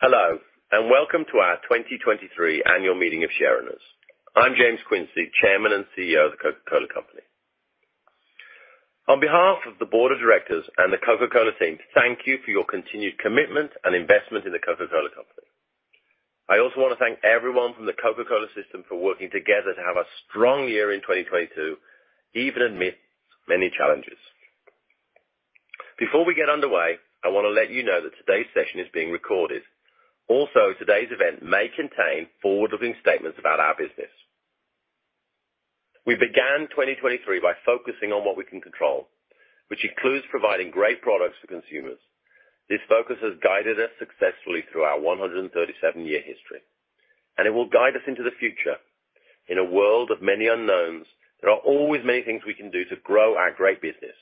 Hello, welcome to our 2023 annual meeting of shareowners. I'm James Quincey, Chairman and CEO of The Coca-Cola Company. On behalf of the board of directors and the Coca-Cola team, thank you for your continued commitment and investment in The Coca-Cola Company. I also wanna thank everyone from the Coca-Cola system for working together to have a strong year in 2022, even amidst many challenges. Before we get underway, I wanna let you know that today's session is being recorded. Today's event may contain forward-looking statements about our business. We began 2023 by focusing on what we can control, which includes providing great products to consumers. This focus has guided us successfully through our 137-year history, and it will guide us into the future. In a world of many unknowns, there are always many things we can do to grow our great business.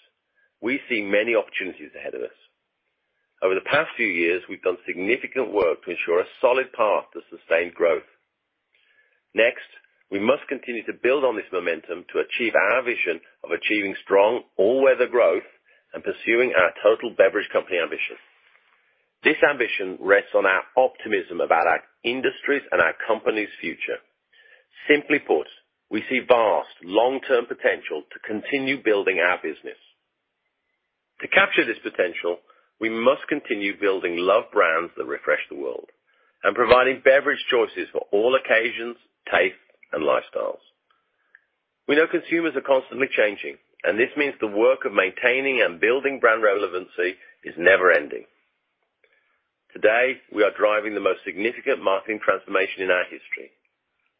We see many opportunities ahead of us. Over the past few years, we've done significant work to ensure a solid path to sustained growth. Next, we must continue to build on this momentum to achieve our vision of achieving strong all-weather growth and pursuing our total beverage company ambition. This ambition rests on our optimism about our industry's and our company's future. Simply put, we see vast long-term potential to continue building our business. To capture this potential, we must continue building loved brands that refresh the world and providing beverage choices for all occasions, tastes, and lifestyles. We know consumers are constantly changing, and this means the work of maintaining and building brand relevancy is never ending. Today, we are driving the most significant marketing transformation in our history.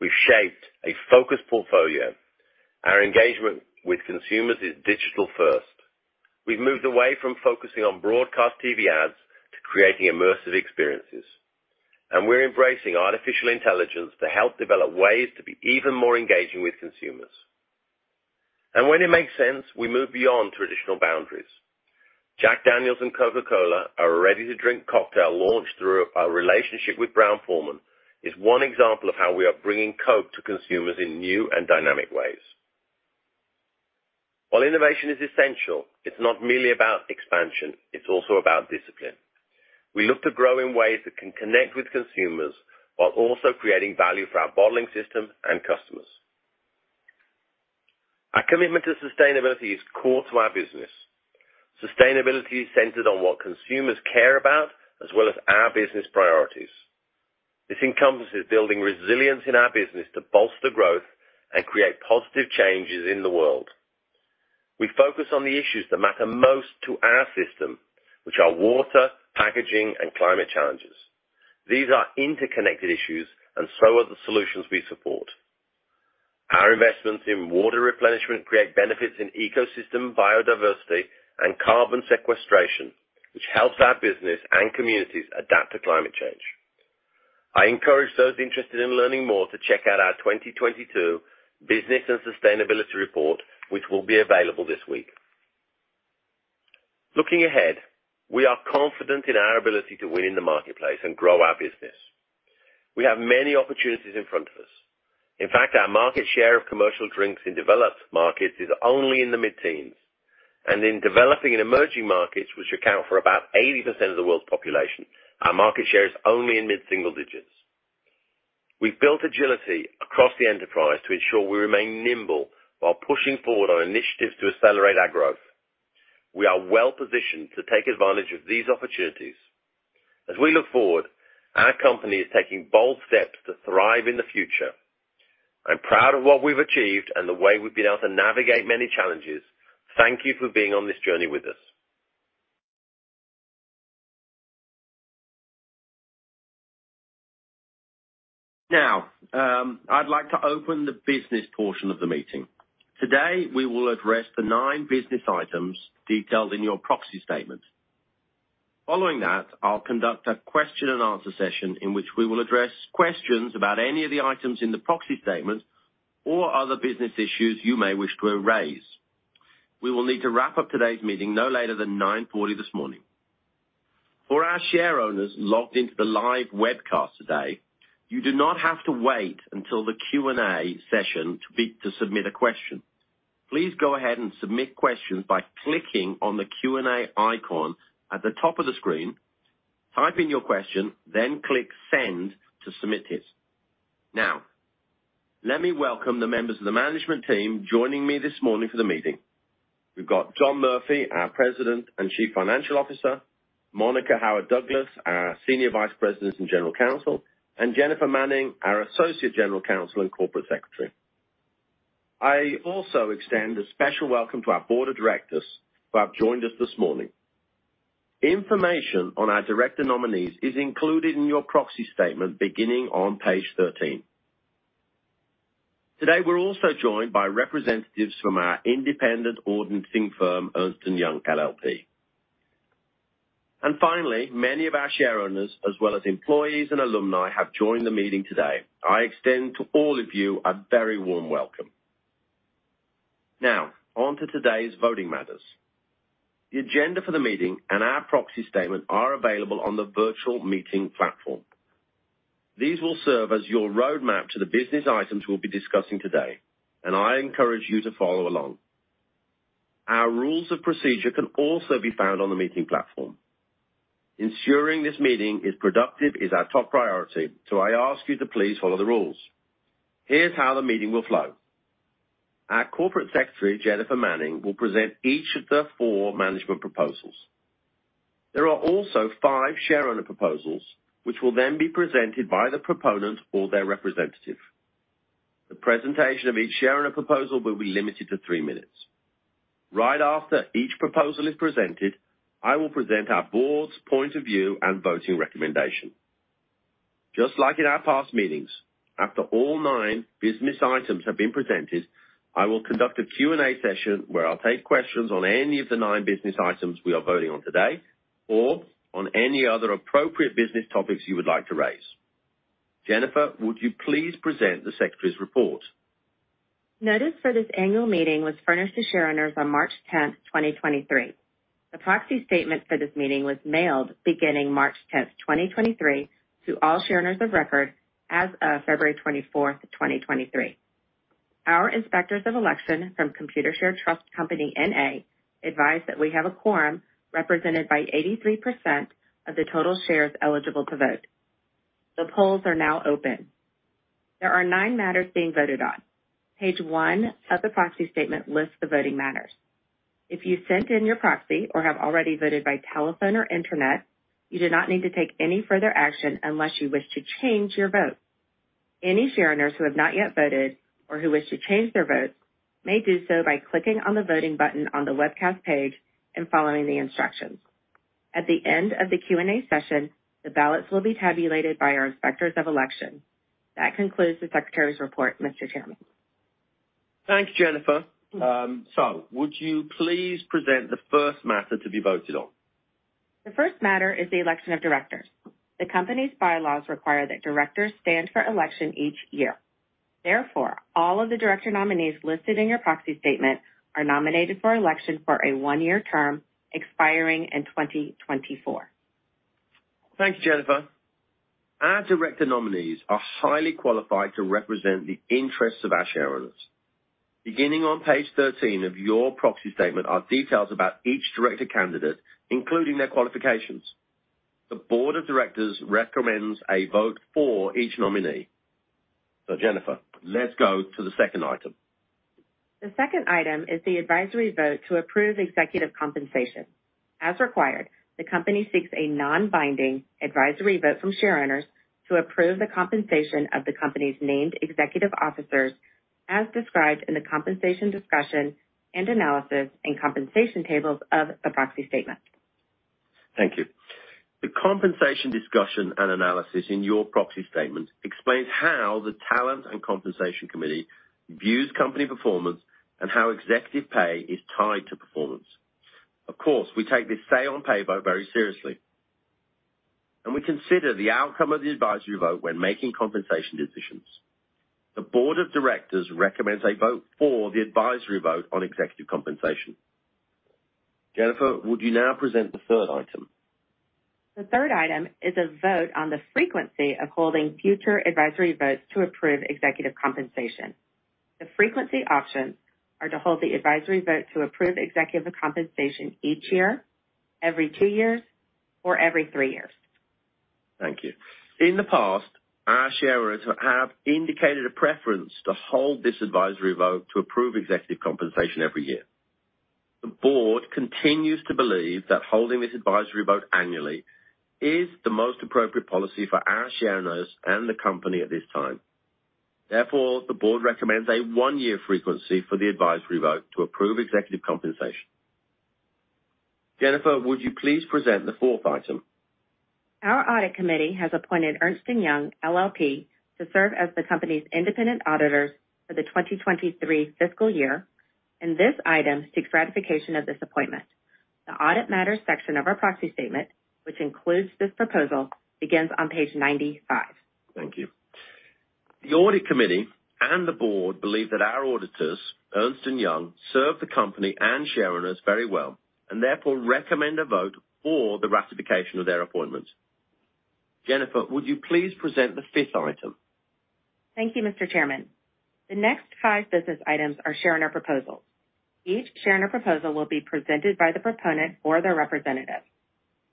We've shaped a focused portfolio. Our engagement with consumers is digital first. We've moved away from focusing on broadcast TV ads to creating immersive experiences. We're embracing artificial intelligence to help develop ways to be even more engaging with consumers. When it makes sense, we move beyond traditional boundaries. Jack Daniel's and Coca-Cola, our ready-to-drink cocktail launched through our relationship with Brown-Forman, is one example of how we are bringing Coke to consumers in new and dynamic ways. While innovation is essential, it's not merely about expansion, it's also about discipline. We look to grow in ways that can connect with consumers while also creating value for our bottling system and customers. Our commitment to sustainability is core to our business. Sustainability is centered on what consumers care about as well as our business priorities. This encompasses building resilience in our business to bolster growth and create positive changes in the world. We focus on the issues that matter most to our system, which are water, packaging, and climate challenges. These are interconnected issues and so are the solutions we support. Our investments in water replenishment create benefits in ecosystem biodiversity and carbon sequestration, which helps our business and communities adapt to climate change. I encourage those interested in learning more to check out our 2022 Business and Sustainability Report, which will be available this week. Looking ahead, we are confident in our ability to win in the marketplace and grow our business. We have many opportunities in front of us. In fact, our market share of commercial drinks in developed markets is only in the mid-teens. In developing and emerging markets, which account for about 80% of the world's population, our market share is only in mid-single digits. We've built agility across the enterprise to ensure we remain nimble while pushing forward on initiatives to accelerate our growth. We are well-positioned to take advantage of these opportunities. As we look forward, our company is taking bold steps to thrive in the future. I'm proud of what we've achieved and the way we've been able to navigate many challenges. Thank you for being on this journey with us. I'd like to open the business portion of the meeting. Today, we will address the 9 business items detailed in your proxy statement. Following that, I'll conduct a question and answer session in which we will address questions about any of the items in the proxy statement or other business issues you may wish to raise. We will need to wrap up today's meeting no later than 9:40 A.M. this morning. For our shareowners logged into the live webcast today, you do not have to wait until the Q&A session to submit a question. Please go ahead and submit questions by clicking on the Q&A icon at the top of the screen, type in your question, then click Send to submit it. Let me welcome the members of the management team joining me this morning for the meeting. We've got John Murphy, our President and Chief Financial Officer. Monica Howard Douglas, our Senior Vice President and General Counsel, and Jennifer Manning, our Associate General Counsel and Corporate Secretary. I also extend a special welcome to our board of directors who have joined us this morning. Information on our director nominees is included in your proxy statement beginning on page 13. Today, we're also joined by representatives from our independent auditing firm, Ernst & Young LLP. Finally, many of our shareowners, as well as employees and alumni, have joined the meeting today. I extend to all of you a very warm welcome. Now, on to today's voting matters. The agenda for the meeting and our proxy statement are available on the virtual meeting platform. These will serve as your roadmap to the business items we'll be discussing today, and I encourage you to follow along. Our rules of procedure can also be found on the meeting platform. Ensuring this meeting is productive is our top priority, I ask you to please follow the rules. Here's how the meeting will flow. Our Corporate Secretary, Jennifer Manning, will present each of the 4 management proposals. There are also 5 share owner proposals, which will then be presented by the proponent or their representative. The presentation of each shareowner proposal will be limited to 3 minutes. Right after each proposal is presented, I will present our board's point of view and voting recommendation. Just like in our past meetings, after all nine business items have been presented, I will conduct a Q&A session where I'll take questions on any of the nine business items we are voting on today or on any other appropriate business topics you would like to raise. Jennifer, would you please present the secretary's report? Notice for this annual meeting was furnished to shareowners on March tenth, 2023. The proxy statement for this meeting was mailed beginning March tenth, 2023 to all shareowners of record as of February twenty-fourth, 2023. Our inspectors of election from Computershare Trust Company, N.A. advise that we have a quorum represented by 83% of the total shares eligible to vote. The polls are now open. There are nine matters being voted on. Page one of the proxy statement lists the voting matters. If you sent in your proxy or have already voted by telephone or internet, you do not need to take any further action unless you wish to change your vote. Any shareowners who have not yet voted or who wish to change their votes may do so by clicking on the voting button on the webcast page and following the instructions. At the end of the Q&A session, the ballots will be tabulated by our inspectors of election. That concludes the secretary's report, Mr. Chairman. Thanks, Jennifer. Would you please present the first matter to be voted on? The first matter is the election of directors. The company's bylaws require that directors stand for election each year. Therefore, all of the director nominees listed in your proxy statement are nominated for election for a one-year term expiring in 2024. Thanks, Jennifer. Our director nominees are highly qualified to represent the interests of our shareowners. Beginning on page 13 of your proxy statement are details about each director candidate, including their qualifications. The Board of Directors recommends a vote for each nominee. Jennifer, let's go to the second item. The second item is the advisory vote to approve executive compensation. As required, the company seeks a non-binding advisory vote from shareowners to approve the compensation of the company's named executive officers as described in the compensation discussion and analysis and compensation tables of the proxy statement. Thank you. The compensation discussion and analysis in your proxy statement explains how the talent and compensation committee views company performance and how executive pay is tied to performance. Of course, we take this say on pay vote very seriously, and we consider the outcome of the advisory vote when making compensation decisions. The board of directors recommends a vote for the advisory vote on executive compensation. Jennifer, would you now present the third item? The third item is a vote on the frequency of holding future advisory votes to approve executive compensation. The frequency options are to hold the advisory vote to approve executive compensation each year, every two years, or every three years. Thank you. In the past, our shareowners have indicated a preference to hold this advisory vote to approve executive compensation every year. The board continues to believe that holding this advisory vote annually is the most appropriate policy for our shareowners and the company at this time. Therefore, the board recommends a one-year frequency for the advisory vote to approve executive compensation. Jennifer, would you please present the fourth item? Our audit committee has appointed Ernst & Young LLP to serve as the company's independent auditors for the 2023 fiscal year, and this item seeks ratification of this appointment. The Audit Matters section of our proxy statement, which includes this proposal, begins on page 95. Thank you. The audit committee and the board believe that our auditors, Ernst & Young, serve the company and shareowners very well and therefore recommend a vote for the ratification of their appointment. Jennifer, would you please present the fifth item? Thank you, Mr. Chairman. The next five business items are shareowner proposals. Each shareowner proposal will be presented by the proponent or their representative.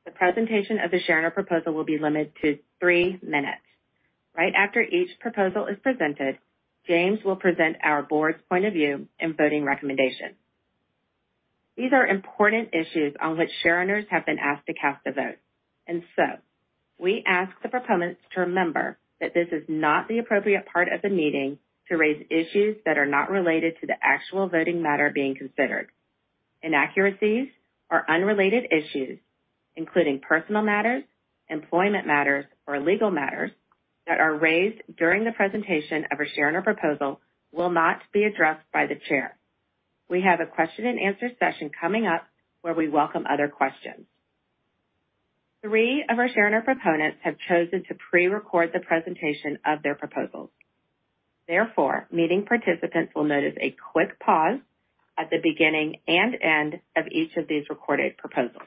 The presentation of the shareowner proposal will be limited to three minutes. Right after each proposal is presented, James will present our board's point of view and voting recommendation. These are important issues on which shareowners have been asked to cast a vote. We ask the proponents to remember that this is not the appropriate part of the meeting to raise issues that are not related to the actual voting matter being considered. Inaccuracies or unrelated issues, including personal matters, employment matters, or legal matters that are raised during the presentation of a shareowner proposal will not be addressed by the Chair. We have a question and answer session coming up where we welcome other questions. 3 of our shareowner proponents have chosen to pre-record the presentation of their proposals. Meeting participants will notice a quick pause at the beginning and end of each of these recorded proposals.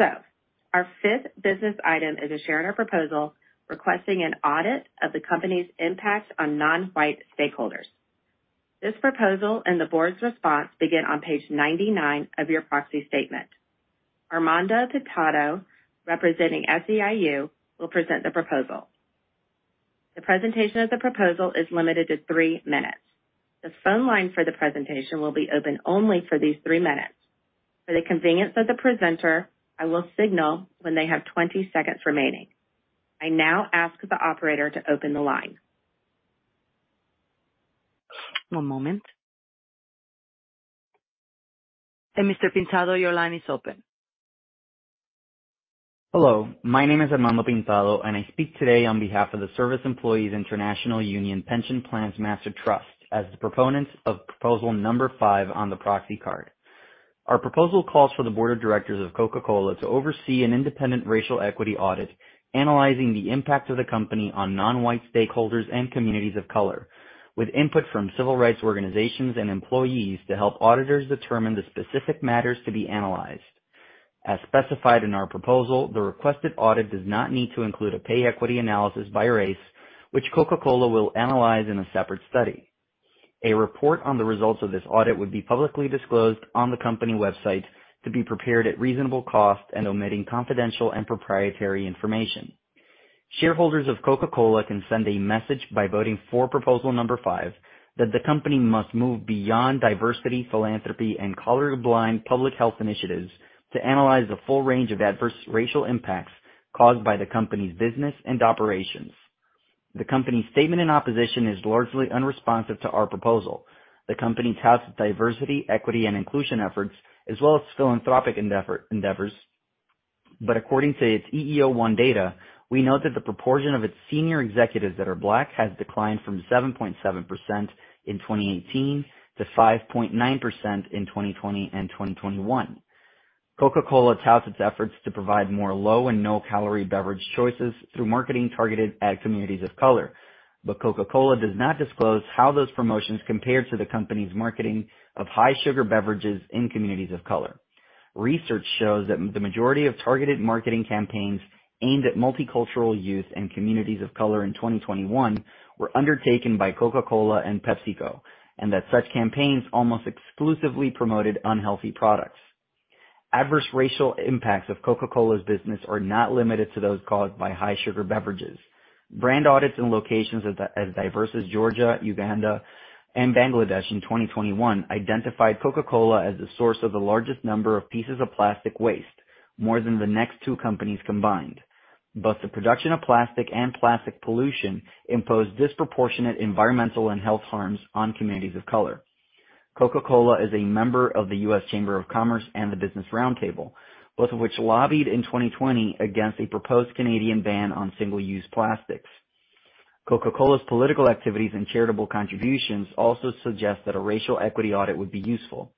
Our 5th business item is a shareowner proposal requesting an audit of the company's impact on non-white stakeholders. This proposal and the board's response begin on page 99 of your proxy statement. Armando Pintado, representing SEIU, will present the proposal. The presentation of the proposal is limited to 3 minutes. The phone line for the presentation will be open only for these 3 minutes. For the convenience of the presenter, I will signal when they have 20 seconds remaining. I now ask the operator to open the line. One moment. Mr. Pintado, your line is open. Hello, my name is Armando Pintado, and I speak today on behalf of the Service Employees International Union Pension Plans Master Trust as the proponents of proposal number 5 on the proxy card. Our proposal calls for the board of directors of Coca-Cola to oversee an independent racial equity audit, analyzing the impact of the company on non-white stakeholders and communities of color, with input from civil rights organizations and employees to help auditors determine the specific matters to be analyzed. As specified in our proposal, the requested audit does not need to include a pay equity analysis by race, which Coca-Cola will analyze in a separate study. A report on the results of this audit would be publicly disclosed on the company website to be prepared at reasonable cost and omitting confidential and proprietary information. Shareholders of Coca-Cola can send a message by voting for proposal number five, that the company must move beyond diversity, philanthropy, and colorblind public health initiatives to analyze the full range of adverse racial impacts caused by the company's business and operations. The company's statement in opposition is largely unresponsive to our proposal. The company touts diversity, equity and inclusion efforts, as well as philanthropic endeavors. According to its EEO-1 data, we note that the proportion of its senior executives that are Black has declined from 7.7% in 2018 to 5.9% in 2020 and 2021. Coca-Cola touts its efforts to provide more low and no-calorie beverage choices through marketing targeted at communities of color. Coca-Cola does not disclose how those promotions compare to the company's marketing of high-sugar beverages in communities of color. Research shows that the majority of targeted marketing campaigns aimed at multicultural youth and communities of color in 2021 were undertaken by Coca-Cola and PepsiCo, and that such campaigns almost exclusively promoted unhealthy products. Adverse racial impacts of Coca-Cola's business are not limited to those caused by high-sugar beverages. Brand audits in locations as diverse as Georgia, Uganda, and Bangladesh in 2021 identified Coca-Cola as the source of the largest number of pieces of plastic waste, more than the next two companies combined. Both the production of plastic and plastic pollution impose disproportionate environmental and health harms on communities of color. Coca-Cola is a member of the U.S. Chamber of Commerce and the Business Roundtable, both of which lobbied in 2020 against a proposed Canadian ban on single-use plastics. Coca-Cola's political activities and charitable contributions also suggest that a racial equity audit would be useful.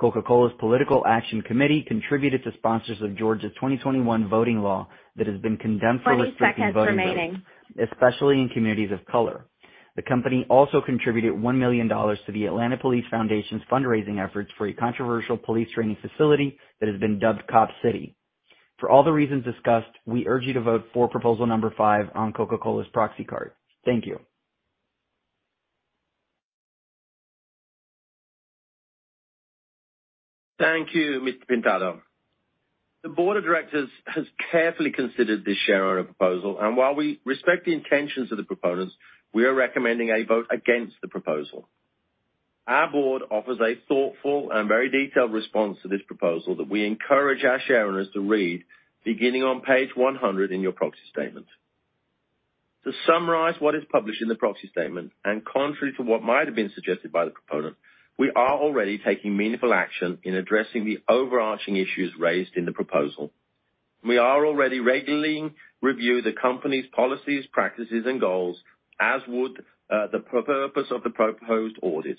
Coca-Cola's political action committee contributed to sponsors of Georgia's 2021 voting law that has been condemned for- 20 seconds remaining. Restricting voting votes, especially in communities of color. The company also contributed $1 million to the Atlanta Police Foundation's fundraising efforts for a controversial police training facility that has been dubbed Cop City. For all the reasons discussed, we urge you to vote for proposal number 5 on Coca-Cola's proxy card. Thank you. Thank you, Mr. Pintado. The board of directors has carefully considered this shareowner proposal, and while we respect the intentions of the proponents, we are recommending a vote against the proposal. Our board offers a thoughtful and very detailed response to this proposal that we encourage our shareowners to read, beginning on page 100 in your proxy statement. To summarize what is published in the proxy statement, and contrary to what might have been suggested by the proponent, we are already taking meaningful action in addressing the overarching issues raised in the proposal. We are already regularly review the company's policies, practices and goals, as would the purpose of the proposed audit.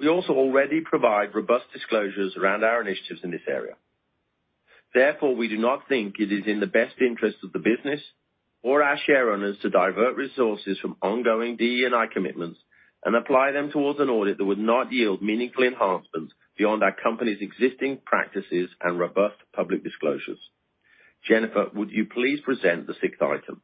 We also already provide robust disclosures around our initiatives in this area. We do not think it is in the best interest of the business or our shareowners to divert resources from ongoing DE&I commitments and apply them towards an audit that would not yield meaningful enhancements beyond our company's existing practices and robust public disclosures. Jennifer, would you please present the sixth item?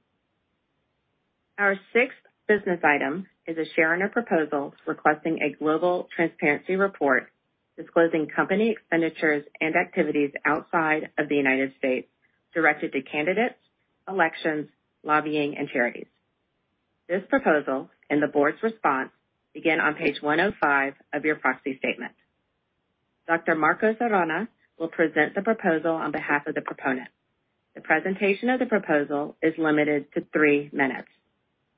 Our sixth business item is a shareowner proposal requesting a global transparency report disclosing company expenditures and activities outside of the United States directed to candidates, elections, lobbying, and charities. This proposal, and the board's response, begin on page 105 of your proxy statement. Dr. Marcos Arana will present the proposal on behalf of the proponent. The presentation of the proposal is limited to 3 minutes.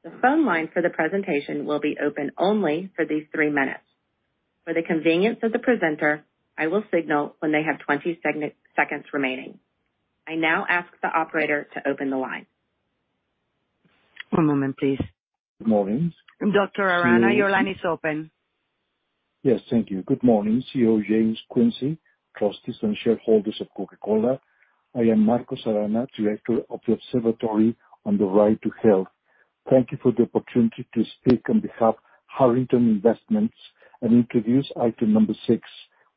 The phone line for the presentation will be open only for these 3 minutes. For the convenience of the presenter, I will signal when they have 20 seconds remaining. I now ask the operator to open the line. One moment, please. Good morning. Dr. Arana, your line is open. Yes, thank you. Good morning, CEO James Quincey, trustees and shareholders of Coca-Cola. I am Marcos Arana, director of the Observatory on the Right to Health. Thank you for the opportunity to speak on behalf Harrington Investments and introduce item 6,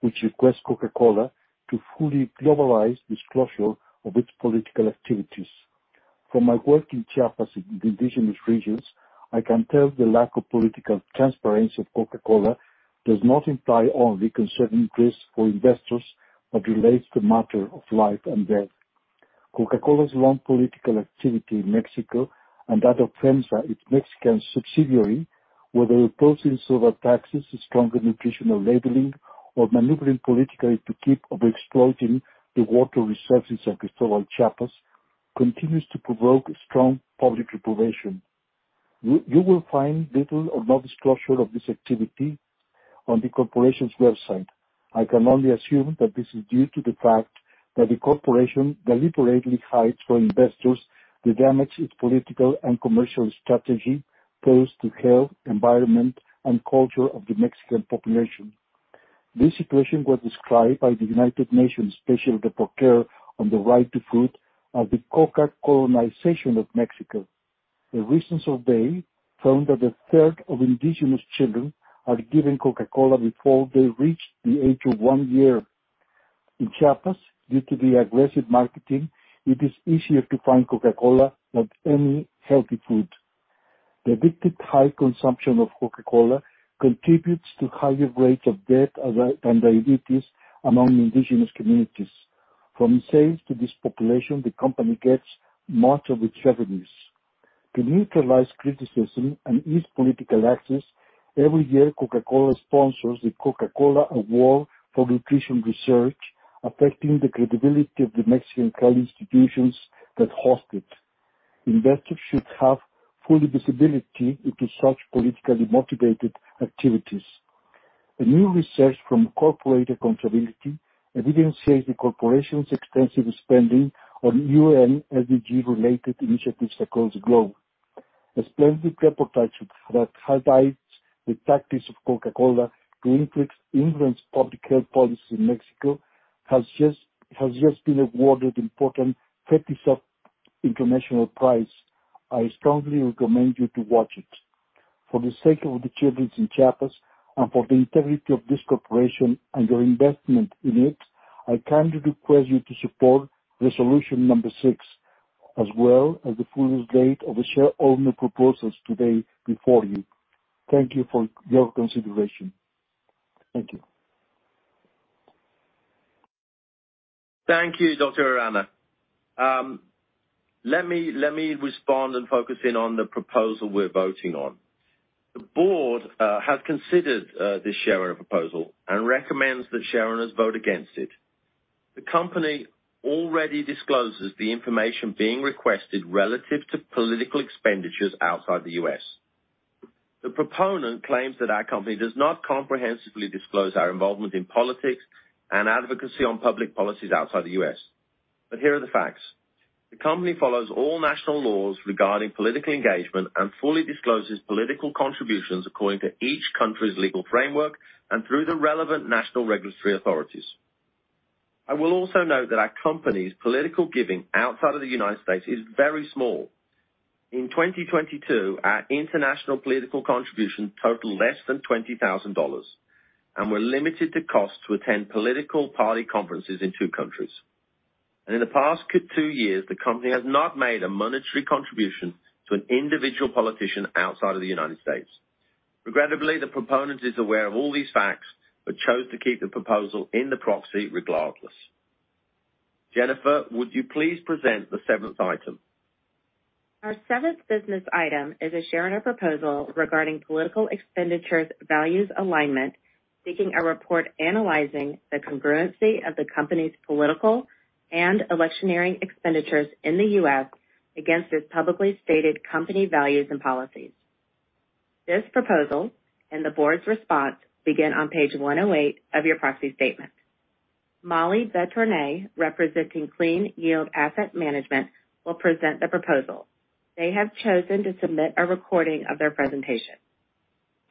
which requests Coca-Cola to fully globalize disclosure of its political activities. From my work in Chiapas in the indigenous regions, I can tell the lack of political transparency of Coca-Cola does not imply only concern increase for investors, but relates to matter of life and death. Coca-Cola's long political activity in Mexico and that of FEMSA, its Mexican subsidiary, whether opposing sugar taxes, stronger nutritional labeling, or maneuvering politically to keep over exploiting the water resources in Cristóbal Chiapas continues to provoke strong public reprobation. You will find little or no disclosure of this activity on the corporation's website. I can only assume that this is due to the fact that the corporation deliberately hides from investors the damage its political and commercial strategy pose to health, environment, and culture of the Mexican population. This situation was described by the United Nations Special Rapporteur on the right to food as the Coca-colonization of Mexico. A recent survey found that a third of indigenous children are given Coca-Cola before they reach the age of one year. In Chiapas, due to the aggressive marketing, it is easier to find Coca-Cola than any healthy food. The addictive high consumption of Coca-Cola contributes to higher rates of death and diabetes among indigenous communities. From sales to this population, the company gets much of its revenues. To neutralize criticism and ease political access, every year Coca-Cola sponsors the Coca-Cola Award for Nutrition Research, affecting the credibility of the Mexican health institutions that host it. Investors should have full visibility into such politically motivated activities. A new research from Corporate Accountability evidencing the corporation's extensive spending on UN SDG-related initiatives across the globe. A splendid reportage that highlights the practice of Coca-Cola to influence public health policies in Mexico has just been awarded important 37 international prize. I strongly recommend you to watch it. For the sake of the children in Chiapas and for the integrity of this corporation and your investment in it, I kindly request you to support resolution number 6, as well as the fullest grade of the shareholder proposals today before you. Thank you for your consideration. Thank you. Thank you, Dr. Arana. Let me respond and focus in on the proposal we're voting on. The board has considered this shareholder proposal and recommends that shareholders vote against it. The company already discloses the information being requested relative to political expenditures outside the U.S. The proponent claims that our company does not comprehensively disclose our involvement in politics and advocacy on public policies outside the U.S. Here are the facts. The company follows all national laws regarding political engagement and fully discloses political contributions according to each country's legal framework and through the relevant national regulatory authorities. I will also note that our company's political giving outside of the United States is very small. In 2022, our international political contribution totaled less than $20,000 and were limited to costs to attend political party conferences in two countries. In the past two years, the company has not made a monetary contribution to an individual politician outside of the United States. Regrettably, the proponent is aware of all these facts but chose to keep the proposal in the proxy regardless. Jennifer, would you please present the seventh item? Our seventh business item is a shareholder proposal regarding political expenditures values alignment, seeking a report analyzing the congruency of the company's political and electioneering expenditures in the U.S. against its publicly stated company values and policies. This proposal and the board's response begin on page 108 of your proxy statement. Molly Betournay, representing Clean Yield Asset Management, will present the proposal. They have chosen to submit a recording of their presentation.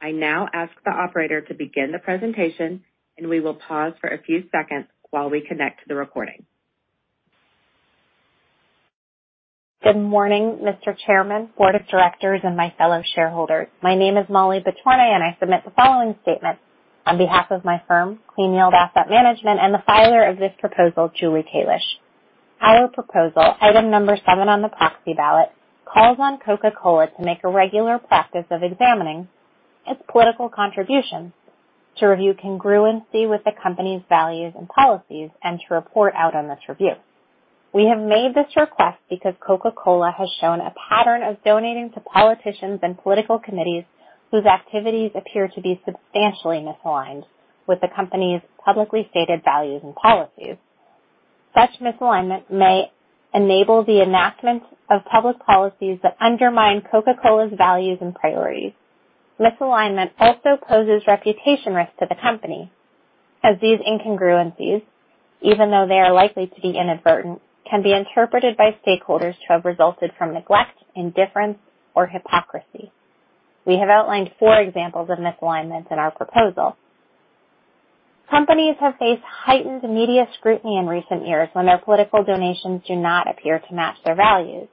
I now ask the operator to begin the presentation, and we will pause for a few seconds while we connect to the recording. Good morning, Mr. Chairman, board of directors and my fellow shareholders. My name is Molly Betournay, and I submit the following statement on behalf of my firm, Clean Yield Asset Management, and the filer of this proposal, Julie Kalish. Our proposal, item number seven on the proxy ballot, calls on Coca-Cola to make a regular practice of examining its political contributions, to review congruency with the company's values and policies, and to report out on this review. We have made this request because Coca-Cola has shown a pattern of donating to politicians and political committees whose activities appear to be substantially misaligned with the company's publicly stated values and policies. Such misalignment may enable the enactment of public policies that undermine Coca-Cola's values and priorities. Misalignment also poses reputation risk to the company as these incongruities, even though they are likely to be inadvertent, can be interpreted by stakeholders to have resulted from neglect, indifference, or hypocrisy. We have outlined four examples of misalignment in our proposal. Companies have faced heightened media scrutiny in recent years when their political donations do not appear to match their values.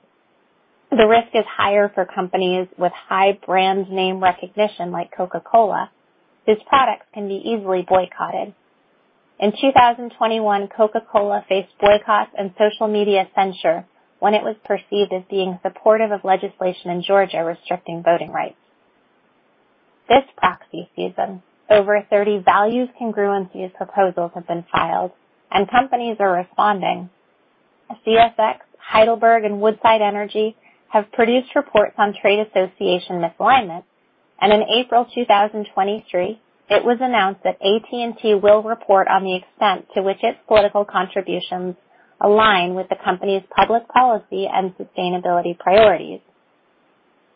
The risk is higher for companies with high brand name recognition, like Coca-Cola, whose products can be easily boycotted. In 2021, Coca-Cola faced boycotts and social media censure when it was perceived as being supportive of legislation in Georgia restricting voting rights. This proxy season, over 30 values congruency proposals have been filed. Companies are responding. CSX, Heidelberg and Woodside Energy have produced reports on trade association misalignment. In April 2023, it was announced that AT&T will report on the extent to which its political contributions align with the company's public policy and sustainability priorities.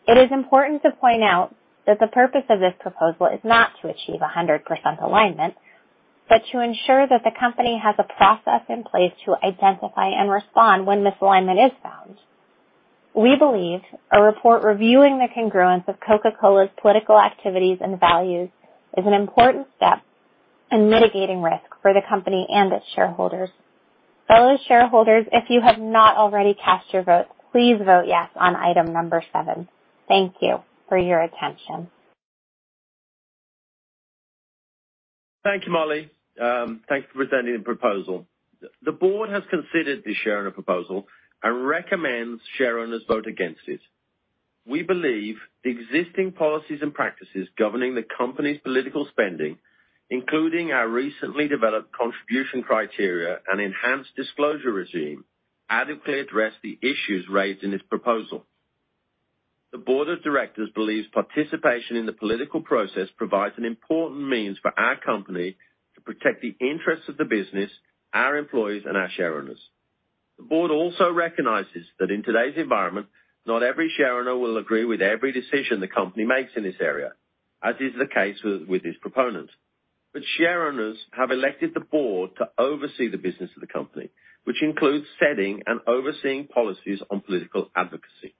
It is important to point out that the purpose of this proposal is not to achieve 100% alignment, but to ensure that the company has a process in place to identify and respond when misalignment is found. We believe a report reviewing the congruence of Coca-Cola's political activities and values is an important step in mitigating risk for the company and its shareholders. Fellow shareholders, if you have not already cast your vote, please vote yes on item number 7. Thank you for your attention. Thank you, Molly. Thank you for presenting the proposal. The board has considered the shareowner proposal and recommends shareowners vote against it. We believe the existing policies and practices governing the company's political spending, including our recently developed contribution criteria and enhanced disclosure regime, adequately address the issues raised in this proposal. The board of directors believes participation in the political process provides an important means for our company to protect the interests of the business, our employees, and our shareowners. The board also recognizes that in today's environment, not every shareowner will agree with every decision the company makes in this area, as is the case with these proponents. Shareowners have elected the board to oversee the business of the company, which includes setting and overseeing policies on political advocacy.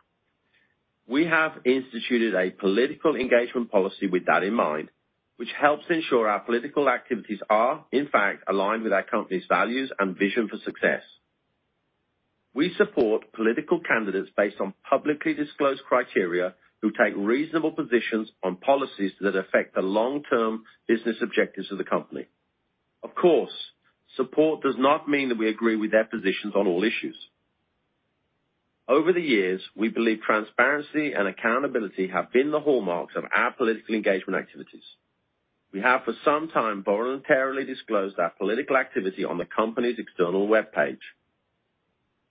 We have instituted a political engagement policy with that in mind, which helps ensure our political activities are, in fact, aligned with our company's values and vision for success. We support political candidates based on publicly disclosed criteria who take reasonable positions on policies that affect the long-term business objectives of the company. Of course, support does not mean that we agree with their positions on all issues. Over the years, we believe transparency and accountability have been the hallmarks of our political engagement activities. We have for some time voluntarily disclosed our political activity on the company's external webpage.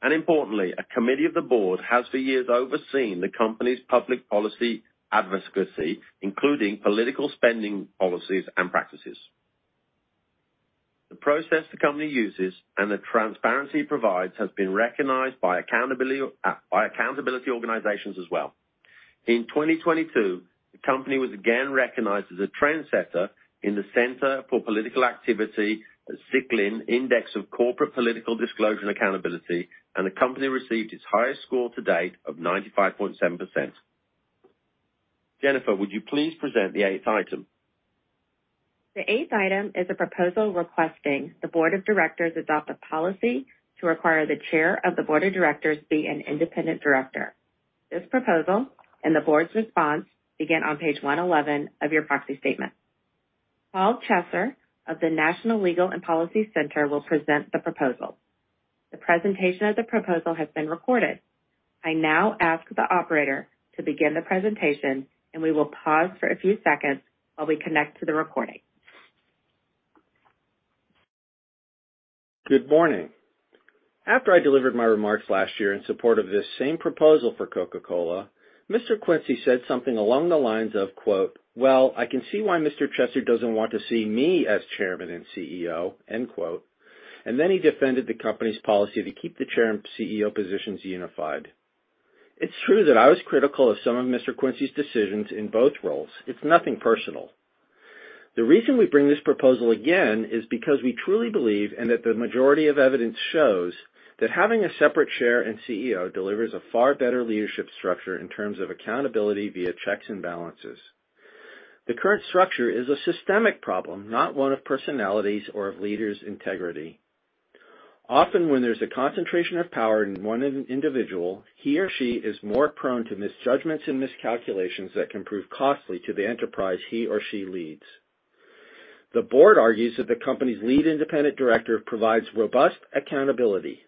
And importantly, a committee of the board has for years overseen the company's public policy advocacy, including political spending policies and practices. The process the company uses and the transparency it provides has been recognized by accountability organizations as well. In 2022, the company was again recognized as a trendsetter in the Center for Political Accountability at CPA-Zicklin Index of Corporate Political Disclosure and Accountability, the company received its highest score to date of 95.7%. Jennifer, would you please present the eighth item? The eighth item is a proposal requesting the board of directors adopt a policy to require the chair of the board of directors be an independent director. This proposal and the board's response begin on page 111 of your proxy statement. Paul Chesser of the National Legal and Policy Center will present the proposal. The presentation of the proposal has been recorded. I now ask the operator to begin the presentation, and we will pause for a few seconds while we connect to the recording. Good morning. After I delivered my remarks last year in support of this same proposal for Coca-Cola, Mr. Quincey said something along the lines of, quote, "Well, I can see why Mr. Chesser doesn't want to see me as Chairman and CEO." End quote. Then he defended the company's policy to keep the Chair and CEO positions unified. It's true that I was critical of some of Mr. Quincey's decisions in both roles. It's nothing personal. The reason we bring this proposal again is because we truly believe, and that the majority of evidence shows, that having a separate Chair and CEO delivers a far better leadership structure in terms of accountability via checks and balances. The current structure is a systemic problem, not one of personalities or of leaders' integrity. Often when there's a concentration of power in one individual, he or she is more prone to misjudgments and miscalculations that can prove costly to the enterprise he or she leads. The board argues that the company's lead independent director provides robust accountability.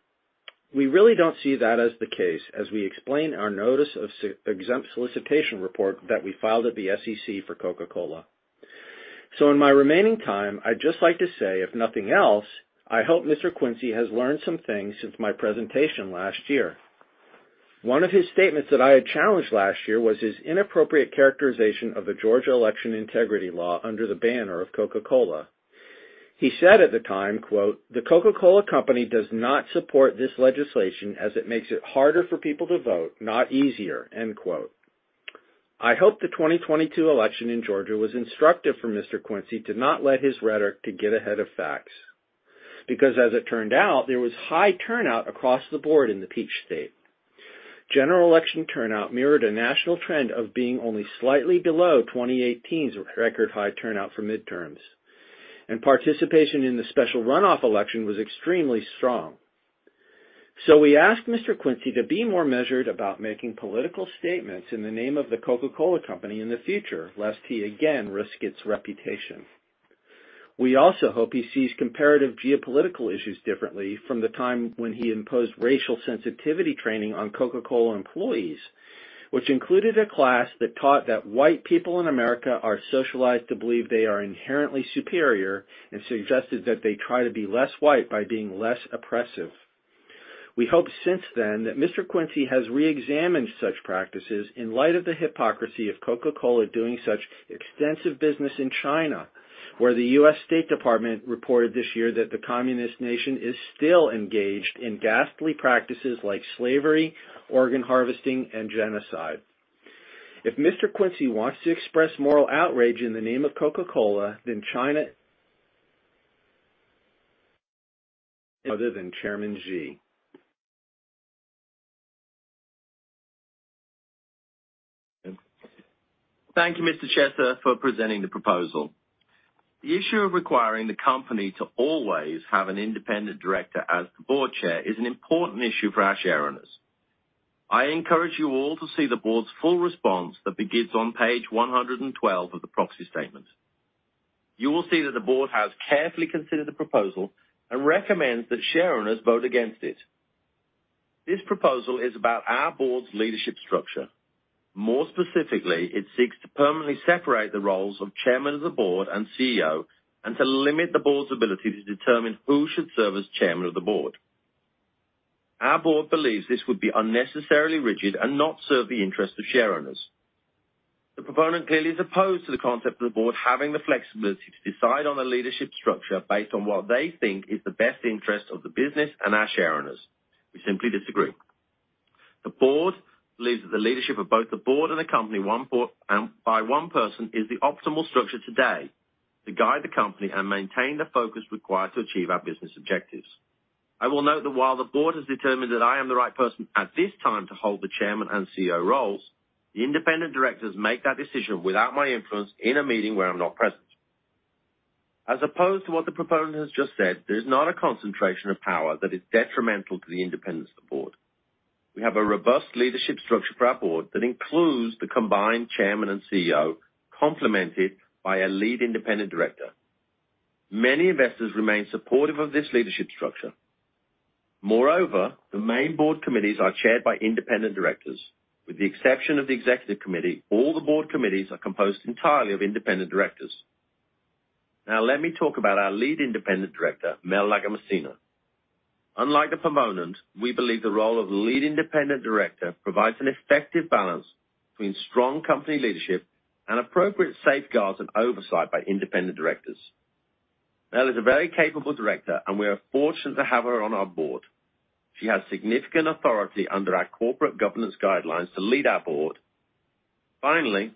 We really don't see that as the case, as we explain our notice of exempt solicitation report that we filed at the SEC for Coca-Cola. In my remaining time, I'd just like to say, if nothing else, I hope Mr. Quincey has learned some things since my presentation last year. One of his statements that I had challenged last year was his inappropriate characterization of the Georgia election integrity law under the banner of Coca-Cola. He said at the time, quote, "The Coca-Cola Company does not support this legislation as it makes it harder for people to vote, not easier." End quote. I hope the 2022 election in Georgia was instructive for Mr. Quincey to not let his rhetoric to get ahead of facts, because as it turned out, there was high turnout across the board in the Peach State. General election turnout mirrored a national trend of being only slightly below 2018's record high turnout for midterms. Participation in the special runoff election was extremely strong. We asked Mr. Quincey to be more measured about making political statements in the name of The Coca-Cola Company in the future, lest he again risk its reputation. We also hope he sees comparative geopolitical issues differently from the time when he imposed racial sensitivity training on Coca-Cola employees, which included a class that taught that white people in America are socialized to believe they are inherently superior, and suggested that they try to be less white by being less oppressive. We hope since then that Mr. Quincey has reexamined such practices in light of the hypocrisy of Coca-Cola doing such extensive business in China, where the U.S. State Department reported this year that the communist nation is still engaged in ghastly practices like slavery, organ harvesting, and genocide. If Mr. Quincey wants to express moral outrage in the name of Coca-Cola than China other than Chairman Xi. Thank you, Mr. Chesser, for presenting the proposal. The issue of requiring the company to always have an independent director as the board chair is an important issue for our share owners. I encourage you all to see the board's full response that begins on page 112 of the proxy statement. You will see that the board has carefully considered the proposal and recommends that share owners vote against it. This proposal is about our board's leadership structure. More specifically, it seeks to permanently separate the roles of chairman of the board and CEO, and to limit the board's ability to determine who should serve as chairman of the board. Our board believes this would be unnecessarily rigid and not serve the interest of share owners. The proponent clearly is opposed to the concept of the board having the flexibility to decide on a leadership structure based on what they think is the best interest of the business and our share owners. We simply disagree. The board believes that the leadership of both the board and the company and by one person is the optimal structure today to guide the company and maintain the focus required to achieve our business objectives. I will note that while the board has determined that I am the right person at this time to hold the Chairman and CEO roles, the independent directors make that decision without my influence in a meeting where I'm not present. As opposed to what the proponent has just said, there's not a concentration of power that is detrimental to the independence of the board. We have a robust leadership structure for our board that includes the combined chairman and CEO, complemented by a lead independent director. Many investors remain supportive of this leadership structure. Moreover, the main board committees are chaired by independent directors. With the exception of the executive committee, all the board committees are composed entirely of independent directors. Now let me talk about our lead independent director, Mel Lagomasino. Unlike the proponent, we believe the role of lead independent director provides an effective balance between strong company leadership and appropriate safeguards and oversight by independent directors. Mel is a very capable director, and we are fortunate to have her on our board. She has significant authority under our corporate governance guidelines to lead our board. Finally,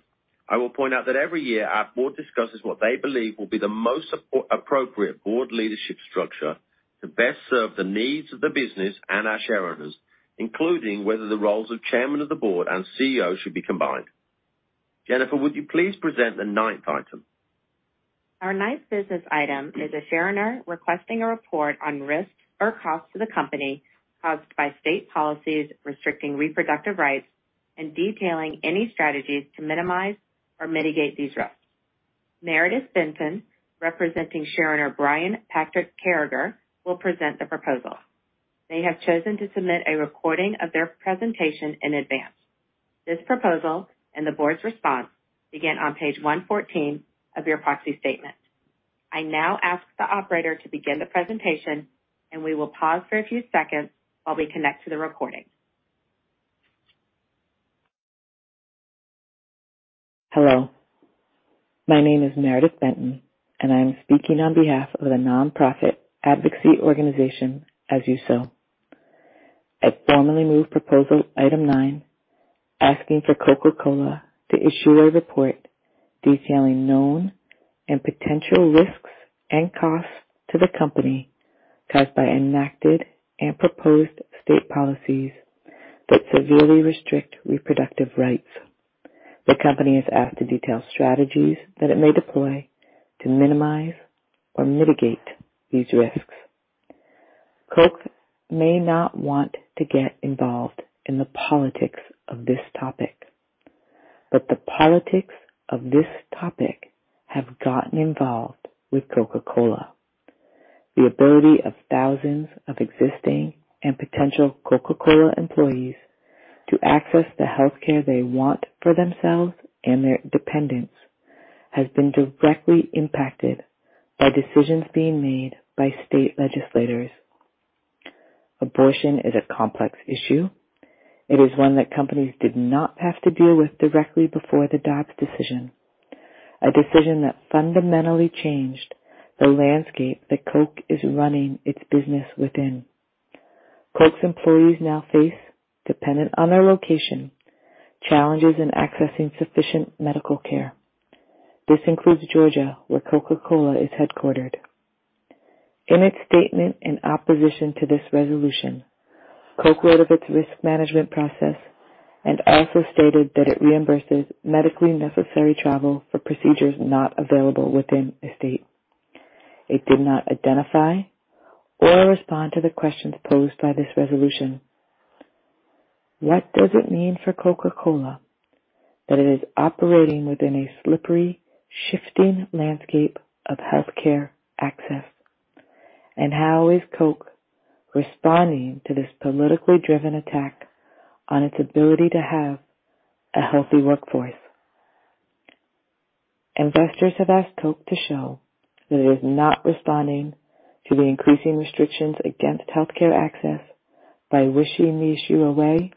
I will point out that every year our board discusses what they believe will be the most appropriate board leadership structure to best serve the needs of the business and our share owners, including whether the roles of chairman of the board and CEO should be combined. Jennifer, would you please present the ninth item? Our ninth business item is a share owner requesting a report on risks or costs to the company caused by state policies restricting reproductive rights and detailing any strategies to minimize or mitigate these risks. Meredith Benton, representing share owner Brian Patrick Carriger, will present the proposal. They have chosen to submit a recording of their presentation in advance. This proposal, and the board's response, begin on page 114 of your proxy statement. I now ask the operator to begin the presentation, we will pause for a few seconds while we connect to the recording. Hello. My name is Meredith Benton, and I am speaking on behalf of the nonprofit advocacy organization, As You Sow. I formally move proposal item nine, asking for Coca-Cola to issue a report detailing known and potential risks and costs to the company caused by enacted and proposed state policies that severely restrict reproductive rights. The company is asked to detail strategies that it may deploy to minimize or mitigate these risks. Coke may not want to get involved in the politics of this topic, but the politics of this topic have gotten involved with Coca-Cola. The ability of thousands of existing and potential Coca-Cola employees to access the healthcare they want for themselves and their dependents has been directly impacted by decisions being made by state legislators. Abortion is a complex issue. It is one that companies did not have to deal with directly before the Dobbs decision, a decision that fundamentally changed the landscape that Coke is running its business within. Coke's employees now face, dependent on their location, challenges in accessing sufficient medical care. This includes Georgia, where Coca-Cola is headquartered. In its statement and opposition to this resolution, Coke wrote of its risk management process and also stated that it reimburses medically necessary travel for procedures not available within a state. It did not identify or respond to the questions posed by this resolution. What does it mean for Coca-Cola that it is operating within a slippery, shifting landscape of healthcare access? How is Coke responding to this politically driven attack on its ability to have a healthy workforce? Investors have asked Coke to show that it is not responding to the increasing restrictions against healthcare access by wishing the issue away,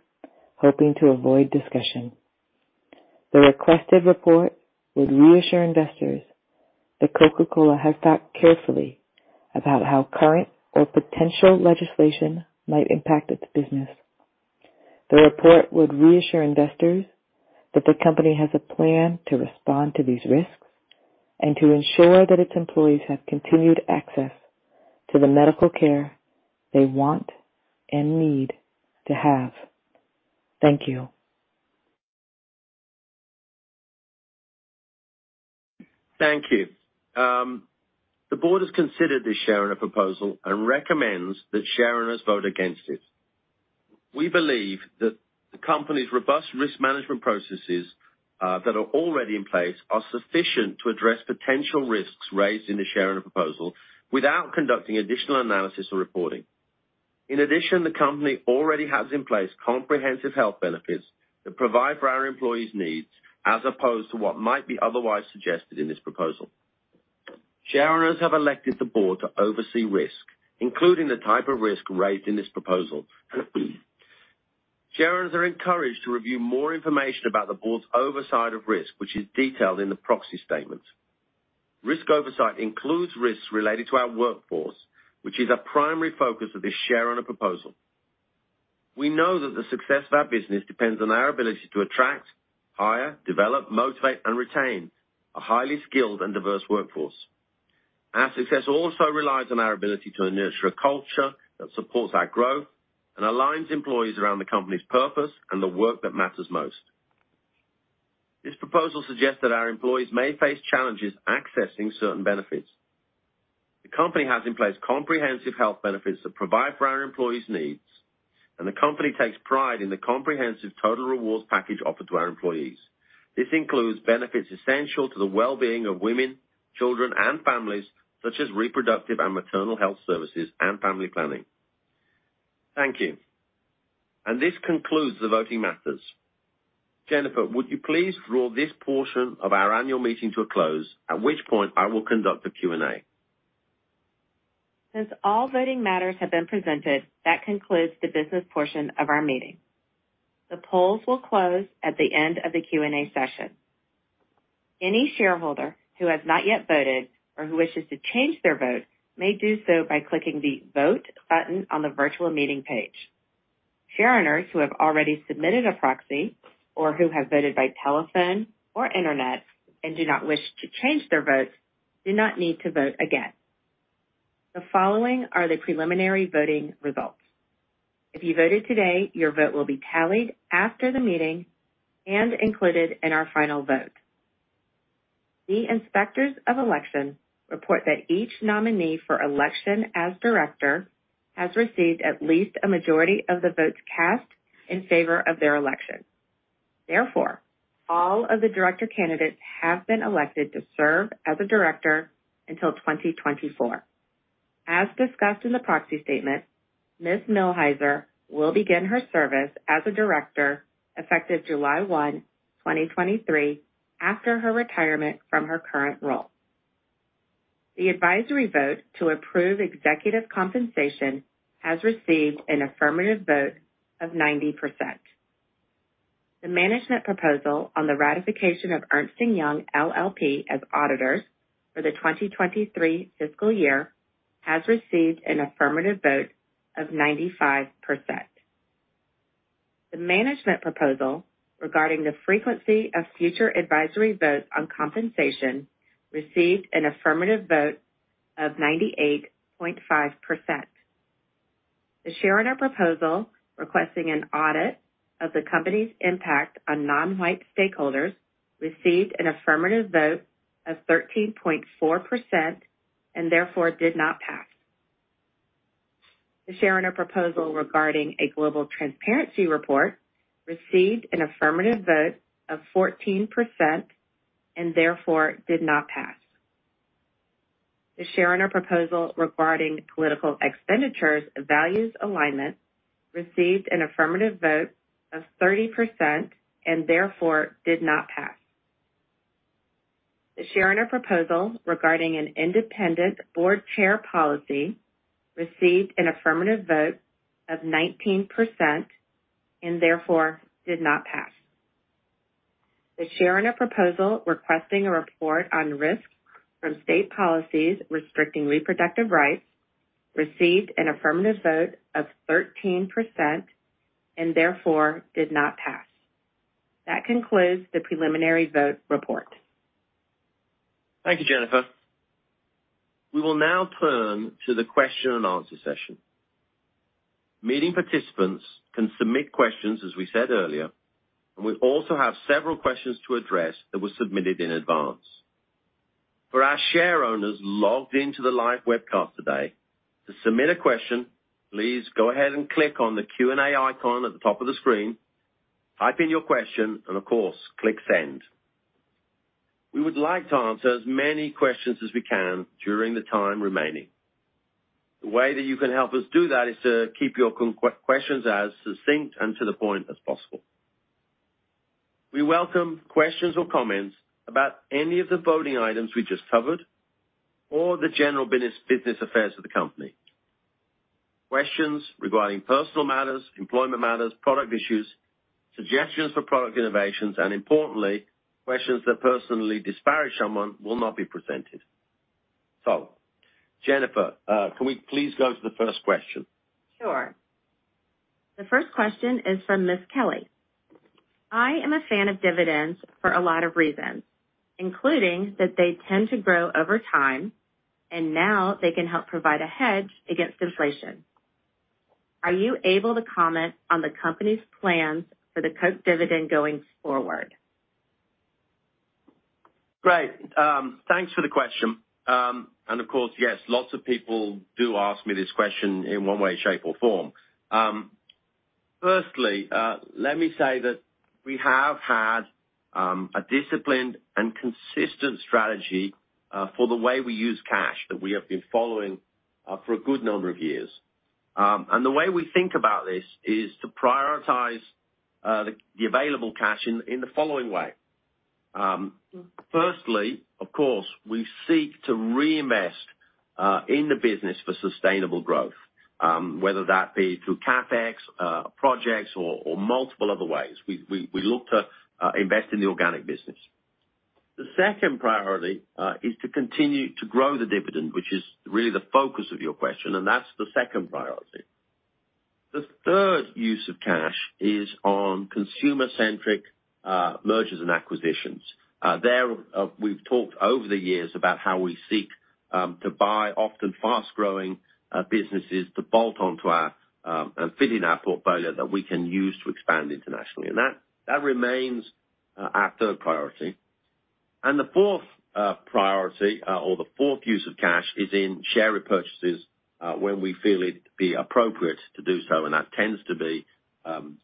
hoping to avoid discussion. The requested report would reassure investors that Coca-Cola has thought carefully about how current or potential legislation might impact its business. The report would reassure investors that the company has a plan to respond to these risks and to ensure that its employees have continued access to the medical care they want and need to have. Thank you. Thank you. The board has considered this shareowner proposal and recommends that shareowners vote against it. We believe that the company's robust risk management processes that are already in place are sufficient to address potential risks raised in the shareowner proposal without conducting additional analysis or reporting. The company already has in place comprehensive health benefits that provide for our employees' needs as opposed to what might be otherwise suggested in this proposal. Shareowners have elected the board to oversee risk, including the type of risk raised in this proposal. Shareowners are encouraged to review more information about the board's oversight of risk, which is detailed in the proxy statement. Risk oversight includes risks related to our workforce, which is a primary focus of this shareowner proposal. We know that the success of our business depends on our ability to attract, hire, develop, motivate, and retain a highly skilled and diverse workforce. Our success also relies on our ability to nurture a culture that supports our growth and aligns employees around the company's purpose and the work that matters most. This proposal suggests that our employees may face challenges accessing certain benefits. The company has in place comprehensive health benefits that provide for our employees' needs, and the company takes pride in the comprehensive total rewards package offered to our employees. This includes benefits essential to the well-being of women, children, and families such as reproductive and maternal health services and family planning. Thank you. This concludes the voting matters. Jennifer, would you please draw this portion of our annual meeting to a close, at which point I will conduct a Q&A? Since all voting matters have been presented, that concludes the business portion of our meeting. The polls will close at the end of the Q&A session. Any shareholder who has not yet voted or who wishes to change their vote may do so by clicking the Vote button on the virtual meeting page. Shareowners who have already submitted a proxy or who have voted by telephone or internet and do not wish to change their votes do not need to vote again. The following are the preliminary voting results. If you voted today, your vote will be tallied after the meeting and included in our final vote. The inspectors of election report that each nominee for election as director has received at least a majority of the votes cast in favor of their election. Therefore, all of the director candidates have been elected to serve as a director until 2024. As discussed in the proxy statement, Ms. Millhiser will begin her service as a director effective July 1, 2023, after her retirement from her current role. The advisory vote to approve executive compensation has received an affirmative vote of 90%. The management proposal on the ratification of Ernst & Young LLP as auditors for the 2023 fiscal year has received an affirmative vote of 95%. The management proposal regarding the frequency of future advisory vote on compensation received an affirmative vote of 98.5%. The shareowner proposal requesting an audit of the company's impact on non-white stakeholders received an affirmative vote of 13.4% and therefore did not pass. The shareowner proposal regarding a global transparency report received an affirmative vote of 14% and therefore did not pass. The shareowner proposal regarding political expenditures values alignment received an affirmative vote of 30% and therefore did not pass. The shareowner proposal regarding an independent board chair policy received an affirmative vote of 19% and therefore did not pass. The shareowner proposal requesting a report on risk from state policies restricting reproductive rights received an affirmative vote of 13% and therefore did not pass. That concludes the preliminary vote report. Thank you, Jennifer. We will now turn to the question and answer session. Meeting participants can submit questions as we said earlier, and we also have several questions to address that were submitted in advance. For our shareowners logged into the live webcast today, to submit a question, please go ahead and click on the Q&A icon at the top of the screen, type in your question, and of course, click Send. We would like to answer as many questions as we can during the time remaining. The way that you can help us do that is to keep your questions as succinct and to the point as possible. We welcome questions or comments about any of the voting items we just covered or the general business affairs of the company. Questions regarding personal matters, employment matters, product issues, suggestions for product innovations, and importantly, questions that personally disparage someone will not be presented. Jennifer, can we please go to the first question? Sure. The first question is from Ms. Kelly. I am a fan of dividends for a lot of reasons, including that they tend to grow over time, and now they can help provide a hedge against inflation. Are you able to comment on the company's plans for the Coke dividend going forward? Great. Thanks for the question. Of course, yes, lots of people do ask me this question in one way, shape, or form. Firstly, let me say that we have had a disciplined and consistent strategy for the way we use cash that we have been following for a good number of years. The way we think about this is to prioritize the available cash in the following way. Firstly, of course, we seek to reinvest in the business for sustainable growth, whether that be through CapEx projects or multiple other ways. We look to invest in the organic business. The second priority is to continue to grow the dividend, which is really the focus of your question, and that's the second priority. The third use of cash is on consumer-centric mergers and acquisitions. There, we've talked over the years about how we seek to buy often fast-growing businesses to bolt onto our and fit in our portfolio that we can use to expand internationally. That remains our third priority. The fourth priority, or the fourth use of cash is in share repurchases when we feel it'd be appropriate to do so, and that tends to be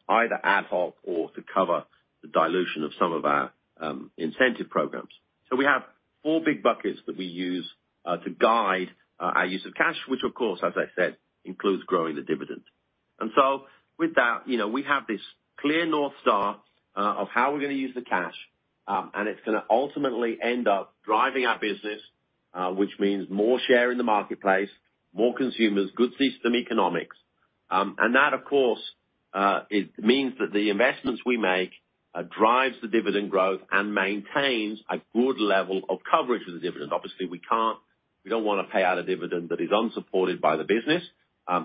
either ad hoc or to cover the dilution of some of our incentive programs. We have four big buckets that we use to guide our use of cash, which of course, as I said, includes growing the dividend. With that, you know, we have this clear north star, of how we're gonna use the cash, and it's gonna ultimately end up driving our business, which means more share in the marketplace, more consumers, good system economics. That, of course, it means that the investments we make, drives the dividend growth and maintains a good level of coverage of the dividend. Obviously, we can't, we don't wanna pay out a dividend that is unsupported by the business,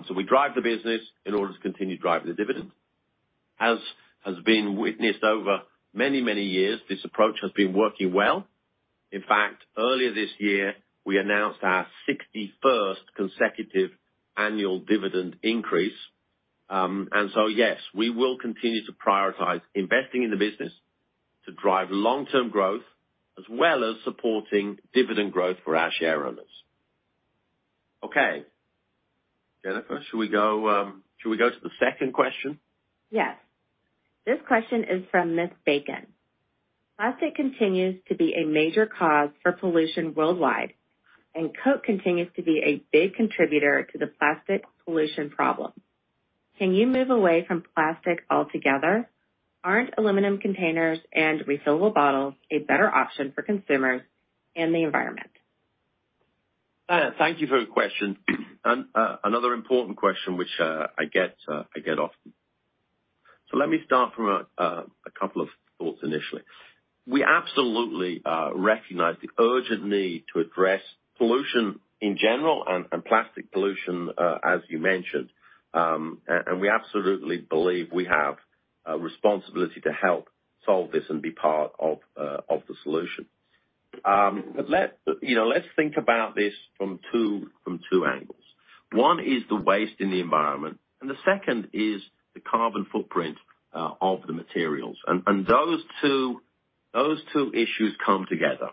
so we drive the business in order to continue driving the dividend. As been witnessed over many, many years, this approach has been working well. In fact, earlier this year, we announced our 61st consecutive annual dividend increase. Yes, we will continue to prioritize investing in the business to drive long-term growth as well as supporting dividend growth for our shareowners. Okay. Jennifer, should we go, should we go to the second question? Yes. This question is from Ms. Bacon. Plastic continues to be a major cause for pollution worldwide. Coke continues to be a big contributor to the plastic pollution problem. Can you move away from plastic altogether? Aren't aluminum containers and refillable bottles a better option for consumers and the environment? Thank you for the question, and another important question which I get often. Let me start from a couple of thoughts initially. We absolutely recognize the urgent need to address pollution in general and plastic pollution, as you mentioned, and we absolutely believe we have a responsibility to help solve this and be part of the solution. Let, you know, let's think about this from two angles. One is the waste in the environment, and the second is the carbon footprint of the materials. Those two issues come together.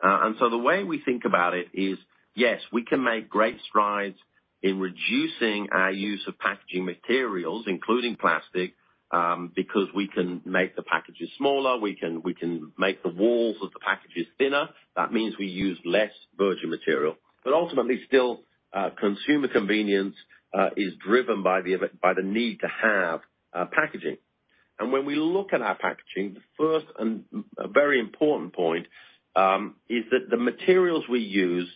The way we think about it is, yes, we can make great strides in reducing our use of packaging materials, including plastic, because we can make the packages smaller, we can make the walls of the packages thinner. That means we use less virgin material. Ultimately, still, consumer convenience is driven by the need to have packaging. When we look at our packaging, the first and a very important point is that the materials we use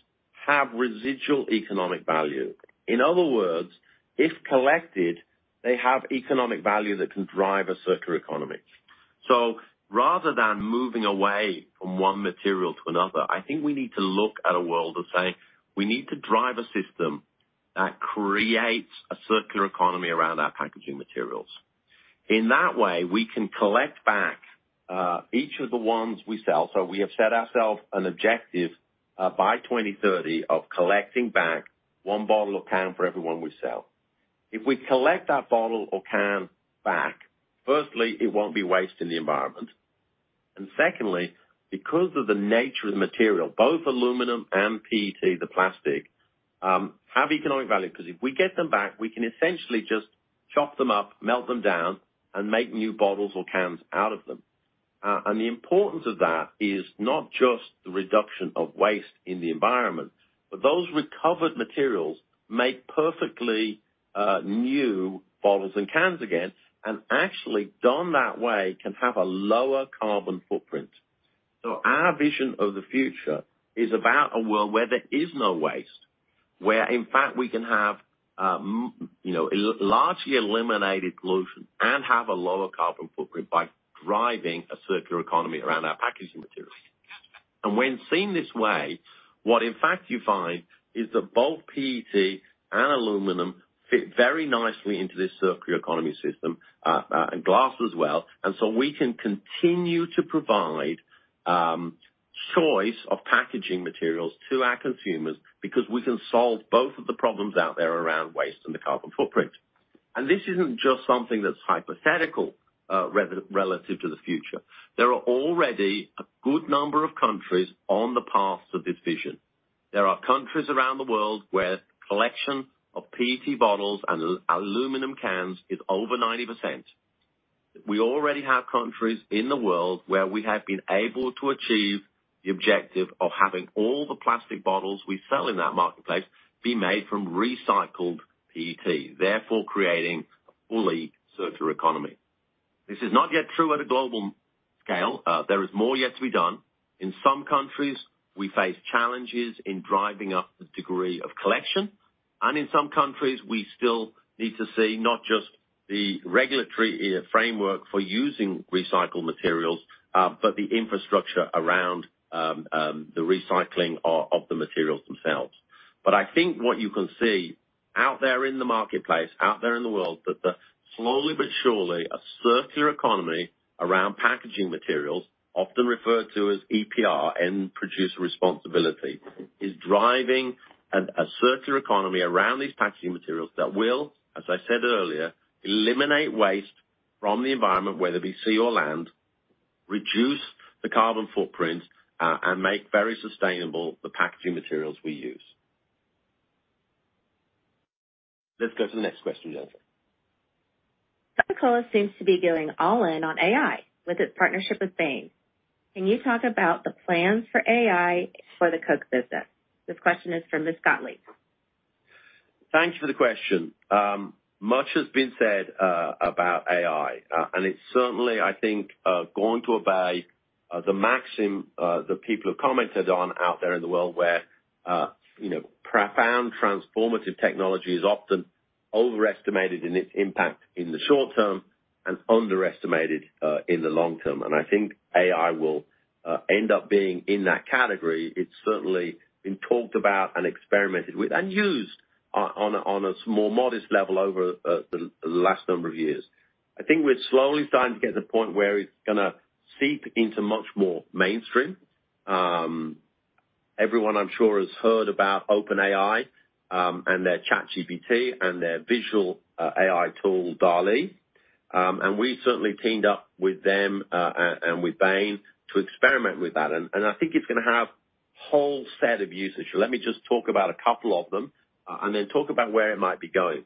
have residual economic value. In other words, if collected, they have economic value that can drive a circular economy. Rather than moving away from one material to another, I think we need to look at a world of saying, we need to drive a system that creates a circular economy around our packaging materials. In that way, we can collect back each of the ones we sell. We have set ourselves an objective by 2030 of collecting back 1 bottle or can for every 1 we sell. If we collect that bottle or can back, firstly, it won't be waste in the environment. Secondly, because of the nature of the material, both aluminum and PET, the plastic, have economic value because if we get them back, we can essentially just chop them up, melt them down, and make new bottles or cans out of them. The importance of that is not just the reduction of waste in the environment, but those recovered materials make perfectly new bottles and cans again, and actually done that way can have a lower carbon footprint. Our vision of the future is about a world where there is no waste. Where in fact, we can have, you know, largely eliminated pollution and have a lower carbon footprint by driving a circular economy around our packaging materials. When seen this way, what in fact you find is that both PET and aluminum fit very nicely into this circular economy system, and glass as well. We can continue to provide choice of packaging materials to our consumers because we can solve both of the problems out there around waste and the carbon footprint. This isn't just something that's hypothetical, relative to the future. There are already a good number of countries on the path to this vision. There are countries around the world where collection of PET bottles and aluminum cans is over 90%. We already have countries in the world where we have been able to achieve the objective of having all the plastic bottles we sell in that marketplace be made from recycled PET, therefore creating a fully circular economy. This is not yet true at a global scale. There is more yet to be done. In some countries, we face challenges in driving up the degree of collection, and in some countries, we still need to see not just the regulatory framework for using recycled materials, but the infrastructure around the recycling of the materials themselves. I think what you can see out there in the marketplace, out there in the world, that slowly but surely a circular economy around packaging materials, often referred to as EPR, Extended Producer Responsibility, is driving a circular economy around these packaging materials that will, as I said earlier, eliminate waste from the environment, whether it be sea or land, reduce the carbon footprint, and make very sustainable the packaging materials we use. Let's go to the next question, Jennifer. Coca-Cola seems to be going all in on AI with its partnership with Bain. Can you talk about the plans for AI for the Coke business? This question is from Ms. Scott Lee. Thank you for the question. Much has been said about AI, it's certainly, I think, gone to obey the maxim that people have commented on out there in the world where, you know, profound transformative technology is often overestimated in its impact in the short term and underestimated in the long term. I think AI will end up being in that category. It's certainly been talked about and experimented with and used on a, on a more modest level over the last number of years. I think we're slowly starting to get to the point where it's gonna seep into much more mainstream. Everyone I'm sure has heard about OpenAI, and their ChatGPT and their visual AI tool, DALL·E. We certainly teamed up with them, and with Bain to experiment with that. I think it's gonna have whole set of usage. Let me just talk about a couple of them, and then talk about where it might be going.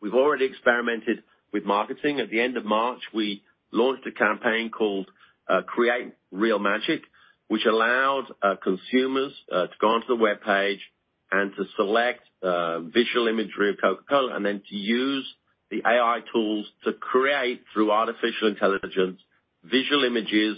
We've already experimented with marketing. At the end of March, we launched a campaign called Create Real Magic, which allowed consumers to go onto the webpage and to select visual imagery of Coca-Cola and then to use the AI tools to create, through artificial intelligence, visual images,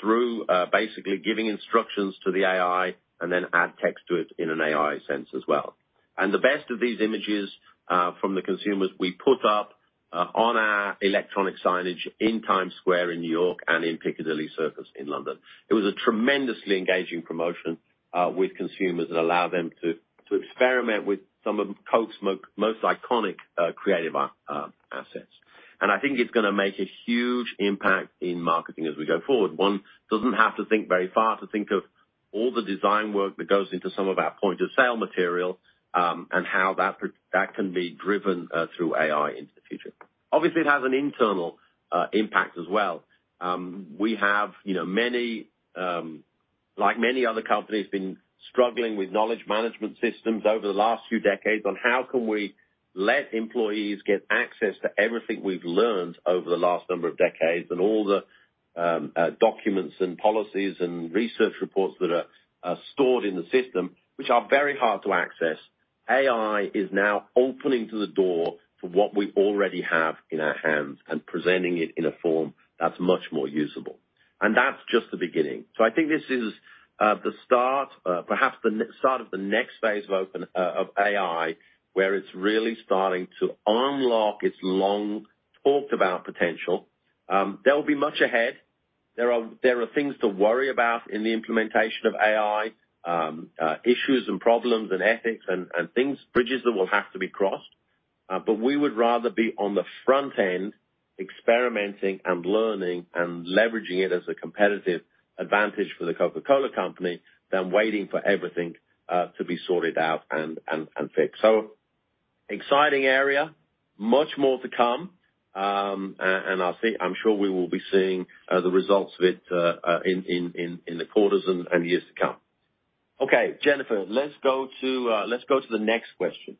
through basically giving instructions to the AI and then add text to it in an AI sense as well. The best of these images from the consumers we put up on our electronic signage in Times Square in New York and in Piccadilly Circus in London. It was a tremendously engaging promotion with consumers that allow them to experiment with some of Coke's most iconic creative assets. I think it's gonna make a huge impact in marketing as we go forward. One doesn't have to think very far to think of all the design work that goes into some of our point of sale material, and how that can be driven through AI into the future. Obviously, it has an internal impact as well. We have, you know, many, like many other companies, been struggling with knowledge management systems over the last few decades on how can we let employees get access to everything we've learned over the last number of decades and all the documents and policies and research reports that are stored in the system, which are very hard to access. AI is now opening to the door to what we already have in our hands and presenting it in a form that's much more usable. That's just the beginning. I think this is the start, perhaps the start of the next phase of open of AI, where it's really starting to unlock its long-talked-about potential. There'll be much ahead. There are things to worry about in the implementation of AI, issues and problems and ethics and things, bridges that will have to be crossed. We would rather be on the front end experimenting and learning and leveraging it as a competitive advantage for The Coca-Cola Company than waiting for everything to be sorted out and fixed. Exciting area, much more to come. I think I'm sure we will be seeing the results of it in the quarters and years to come. Jennifer, let's go to the next question.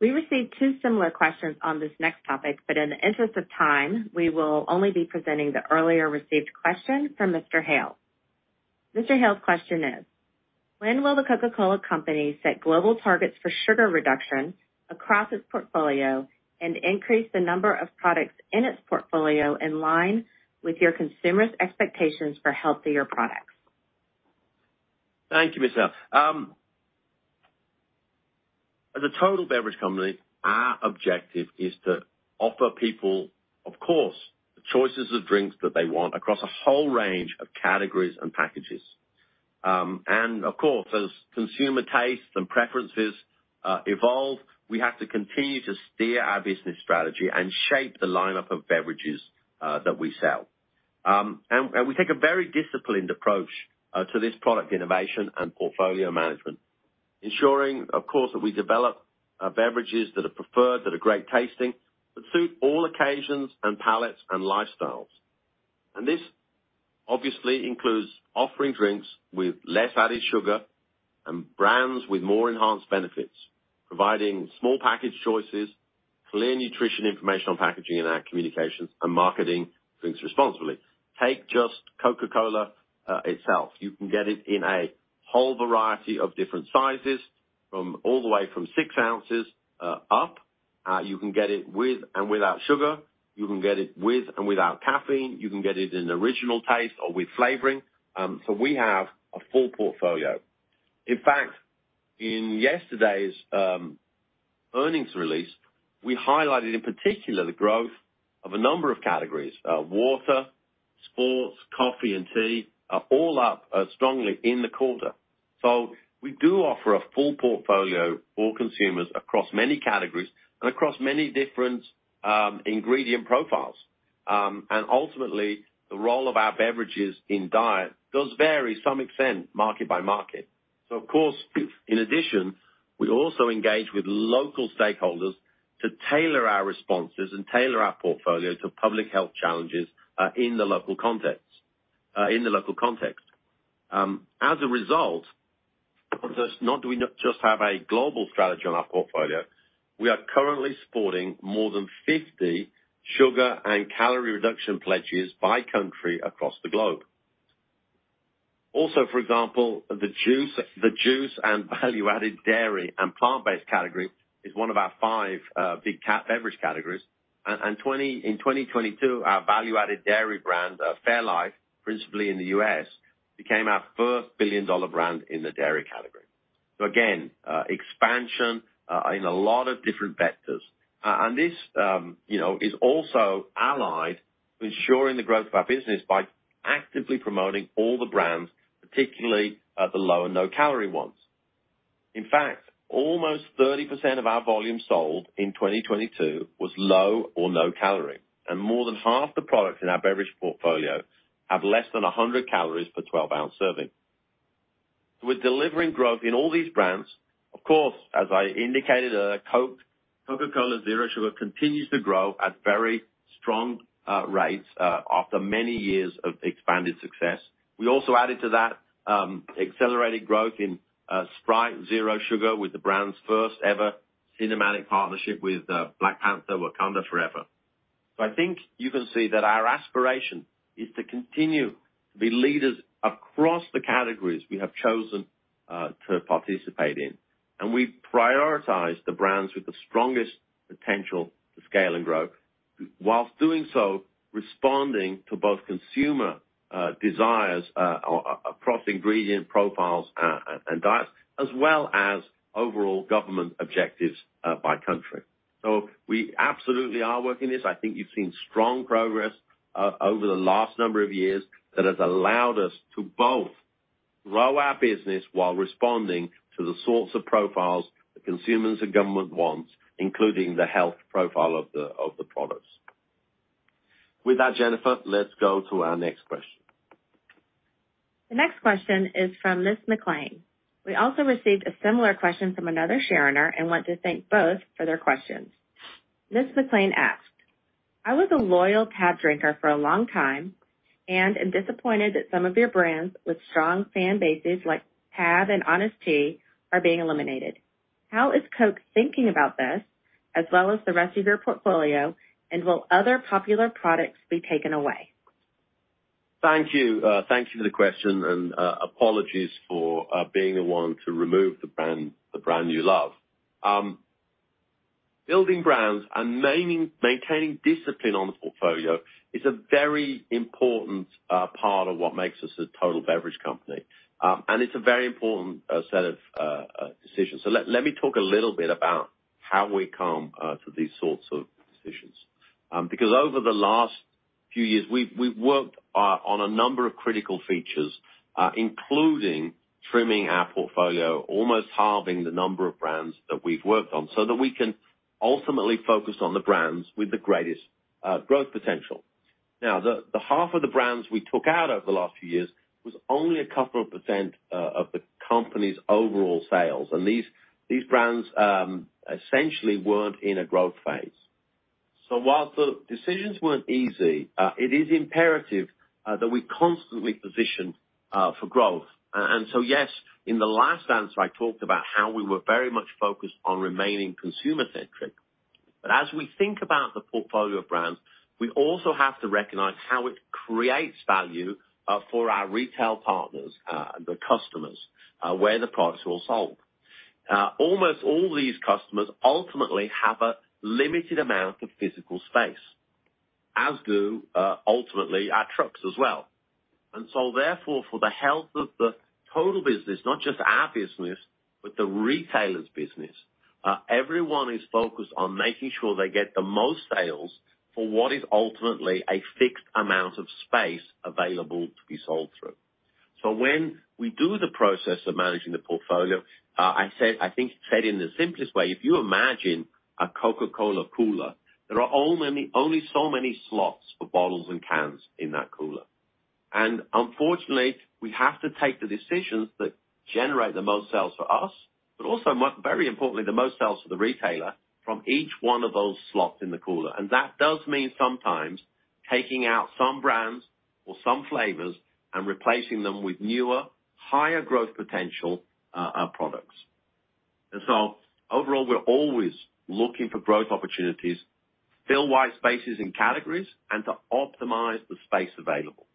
We received 2 similar questions on this next topic, but in the interest of time, we will only be presenting the earlier received question from Mr. Hale. Mr. Hale's question is: When will The Coca-Cola Company set global targets for sugar reduction across its portfolio and increase the number of products in its portfolio in line with your consumers' expectations for healthier products? Thank you, Mr. As a total beverage company, our objective is to offer people, of course, the choices of drinks that they want across a whole range of categories and packages. Of course, as consumer tastes and preferences evolve, we have to continue to steer our business strategy and shape the lineup of beverages that we sell. And we take a very disciplined approach to this product innovation and portfolio management, ensuring, of course, that we develop beverages that are preferred, that are great tasting, that suit all occasions and palates and lifestyles. This obviously includes offering drinks with less added sugar and brands with more enhanced benefits, providing small package choices, clear nutrition information on packaging in our communications, and marketing drinks responsibly. Take just Coca-Cola itself. You can get it in a whole variety of different sizes from all the way from 6 ounces up. You can get it with and without sugar. You can get it with and without caffeine. You can get it in original taste or with flavoring. We have a full portfolio. In fact, in yesterday's earnings release, we highlighted in particular the growth of a number of categories. Water, sports, coffee and tea are all up strongly in the quarter. We do offer a full portfolio for consumers across many categories and across many different ingredient profiles. Ultimately, the role of our beverages in diet does vary to some extent market by market. Of course, in addition, we also engage with local stakeholders to tailor our responses and tailor our portfolio to public health challenges in the local context. As a result, not do we not just have a global strategy on our portfolio, we are currently supporting more than 50 sugar and calorie reduction pledges by country across the globe. For example, the juice and value-added dairy and plant-based category is one of our 5 big cat beverage categories. In 2022, our value-added dairy brand, Fairlife, principally in the U.S., became our first billion-dollar brand in the dairy category. Again, expansion in a lot of different vectors. This, you know, is also allied to ensuring the growth of our business by actively promoting all the brands, particularly, the low and no-calorie ones. In fact, almost 30% of our volume sold in 2022 was low or no calorie, and more than half the products in our beverage portfolio have less than 100 calories per 12-ounce serving. With delivering growth in all these brands, of course, as I indicated earlier, Coke, Coca-Cola Zero Sugar continues to grow at very strong rates after many years of expanded success. We also added to that accelerated growth in Sprite Zero Sugar with the brand's first ever cinematic partnership with Black Panther: Wakanda Forever. I think you can see that our aspiration is to continue to be leaders across the categories we have chosen to participate in. We prioritize the brands with the strongest potential to scale and grow whilst doing so, responding to both consumer desires, across ingredient profiles, and diets, as well as overall government objectives, by country. We absolutely are working this. I think you've seen strong progress over the last number of years that has allowed us to both grow our business while responding to the sorts of profiles the consumers and government wants, including the health profile of the products. With that, Jennifer, let's go to our next question. The next question is from Ms. McLean. We also received a similar question from another sharer and want to thank both for their questions. Ms. McLean asked, "I was a loyal TaB drinker for a long time and am disappointed that some of your brands with strong fan bases, like TaB and Honest Tea, are being eliminated. How is Coke thinking about this as well as the rest of your portfolio, and will other popular products be taken away? Thank you. Thank you for the question and apologies for being the one to remove the brand you love. Building brands and maintaining discipline on the portfolio is a very important part of what makes us a total beverage company. It's a very important set of decisions. Let me talk a little bit about how we come to these sorts of decisions. Because over the last few years, we've worked on a number of critical features, including trimming our portfolio, almost halving the number of brands that we've worked on so that we can ultimately focus on the brands with the greatest growth potential. Now, the half of the brands we took out over the last few years was only a couple of % of the company's overall sales, and these brands essentially weren't in a growth phase. While the decisions weren't easy, it is imperative that we constantly position for growth. Yes, in the last answer, I talked about how we were very much focused on remaining consumer-centric. As we think about the portfolio of brands, we also have to recognize how it creates value for our retail partners, the customers where the products will sold. Almost all these customers ultimately have a limited amount of physical space, as do ultimately, our trucks as well. Therefore, for the health of the total business, not just our business, but the retailer's business, everyone is focused on making sure they get the most sales for what is ultimately a fixed amount of space available to be sold through. When we do the process of managing the portfolio, I think said in the simplest way, if you imagine a Coca-Cola cooler, there are only so many slots for bottles and cans in that cooler. Unfortunately, we have to take the decisions that generate the most sales for us, but also very importantly, the most sales for the retailer from each one of those slots in the cooler. That does mean sometimes taking out some brands or some flavors and replacing them with newer, higher growth potential products. Overall, we're always looking for growth opportunities, fill wide spaces in categories, and to optimize the space available.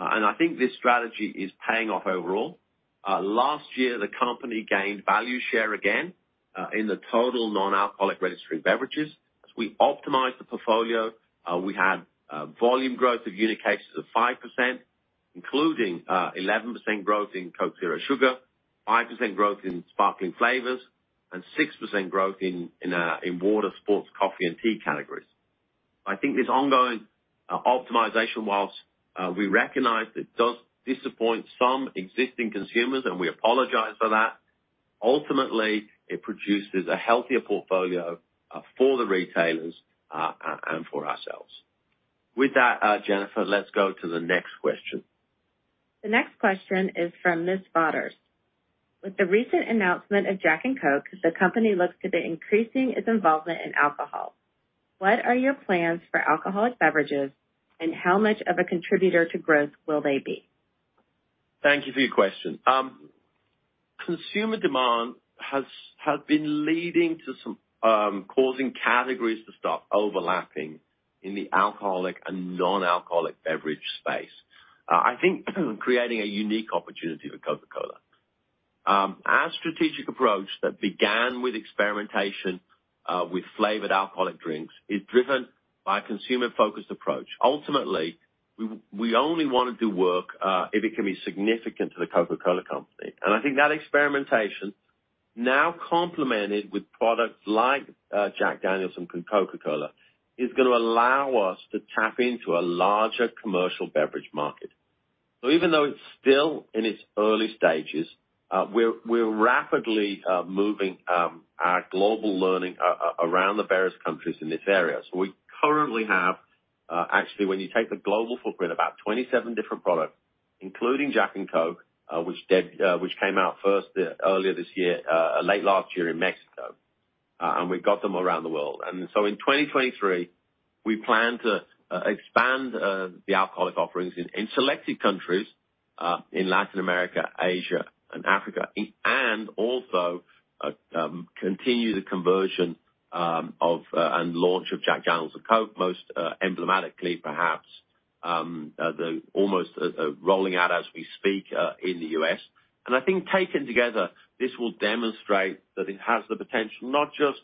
I think this strategy is paying off overall. Last year, the company gained value share again, in the total non-alcoholic ready-to-drink beverages. As we optimized the portfolio, we had volume growth of unit cases of 5%, including 11% growth in Coke Zero Sugar, 5% growth in sparkling flavors, and 6% growth in water, sports, coffee, and tea categories. I think this ongoing optimization, whilst we recognize it does disappoint some existing consumers, and we apologize for that, ultimately, it produces a healthier portfolio, for the retailers, and for ourselves. With that, Jennifer, let's go to the next question. The next question is from Ms. Botters. With the recent announcement of Jack and Coke, the company looks to be increasing its involvement in alcohol. What are your plans for alcoholic beverages, and how much of a contributor to growth will they be? Thank you for your question. Consumer demand has been leading to some causing categories to start overlapping in the alcoholic and non-alcoholic beverage space, I think creating a unique opportunity for Coca-Cola. Our strategic approach that began with experimentation with flavored alcoholic drinks is driven by consumer-focused approach. Ultimately, we only wanna do work if it can be significant to The Coca-Cola Company. I think that experimentation, now complemented with products like Jack Daniel's and Coca-Cola, is gonna allow us to tap into a larger commercial beverage market. Even though it's still in its early stages, we're rapidly moving our global learning around the various countries in this area. We currently have, actually, when you take the global footprint, about 27 different products, including Jack and Coke, which came out first earlier this year, late last year in Mexico. We've got them around the world. In 2023, we plan to expand the alcoholic offerings in selected countries in Latin America, Asia, and Africa, and also continue the conversion and launch of Jack Daniel's and Coke, most emblematically perhaps, the almost rolling out as we speak in the U.S. I think taken together, this will demonstrate that it has the potential not just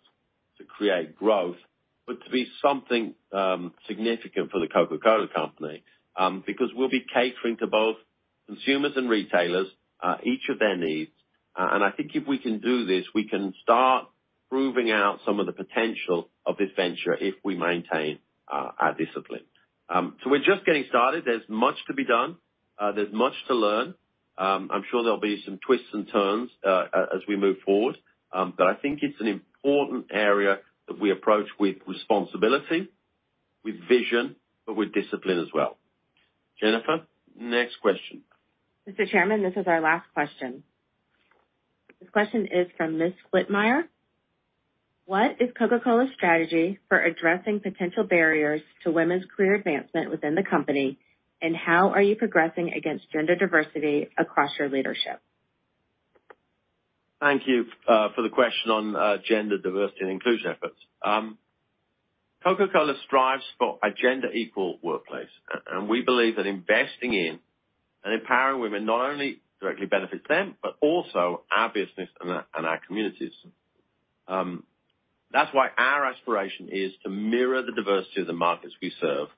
to create growth, but to be something significant for The Coca-Cola Company because we'll be catering to both consumers and retailers, each of their needs. I think if we can do this, we can start proving out some of the potential of this venture if we maintain our discipline. We're just getting started. There's much to be done. There's much to learn. I'm sure there'll be some twists and turns as we move forward. I think it's an important area that we approach with responsibility, with vision, but with discipline as well. Jennifer, next question. Mr. Chairman, this is our last question. This question is from Ms. Whitmire. What is Coca-Cola's strategy for addressing potential barriers to women's career advancement within the company, and how are you progressing against gender diversity across your leadership? Thank you for the question on gender diversity and inclusion efforts. Coca-Cola strives for a gender equal workplace, and we believe that investing in and empowering women not only directly benefits them, but also our business and our communities. That's why our aspiration is to mirror the diversity of the markets we serve,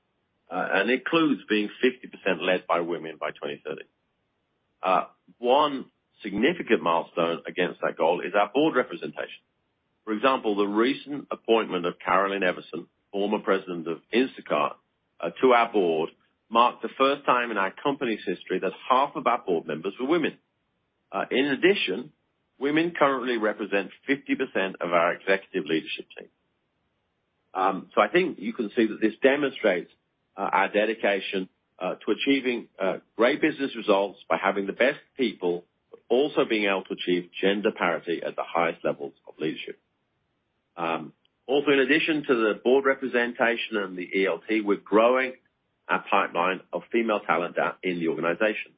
and includes being 50% led by women by 2030. One significant milestone against that goal is our board representation. For example, the recent appointment of Carolyn Everson, former President of Instacart, to our board marked the first time in our company's history that half of our board members were women. In addition, women currently represent 50% of our executive leadership team. I think you can see that this demonstrates our dedication to achieving great business results by having the best people, but also being able to achieve gender parity at the highest levels of leadership. In addition to the board representation and the ELT, we're growing our pipeline of female talent in the organization.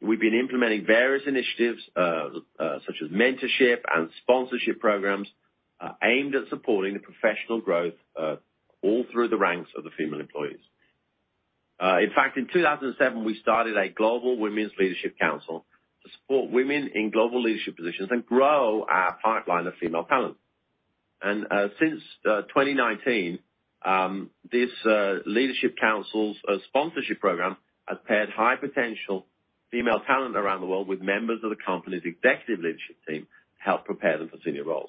We've been implementing various initiatives such as mentorship and sponsorship programs aimed at supporting the professional growth all through the ranks of the female employees. In 2007, we started a Global Women's Leadership Council to support women in global leadership positions and grow our pipeline of female talent. Since 2019, this Leadership Council's sponsorship program has paired high-potential female talent around the world with members of the company's Executive Leadership Team to help prepare them for senior roles.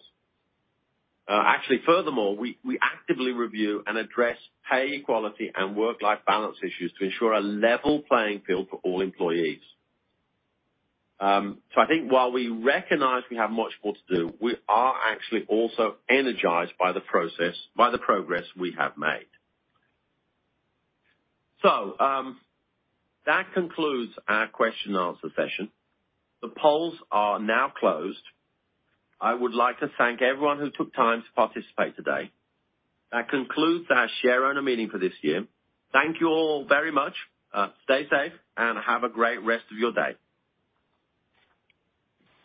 Actually, furthermore, we actively review and address pay equality and work-life balance issues to ensure a level playing field for all employees. I think while we recognize we have much more to do, we are actually also energized by the progress we have made. That concludes our question and answer session. The polls are now closed. I would like to thank everyone who took time to participate today. That concludes our shareowner meeting for this year. Thank you all very much. Stay safe and have a great rest of your day.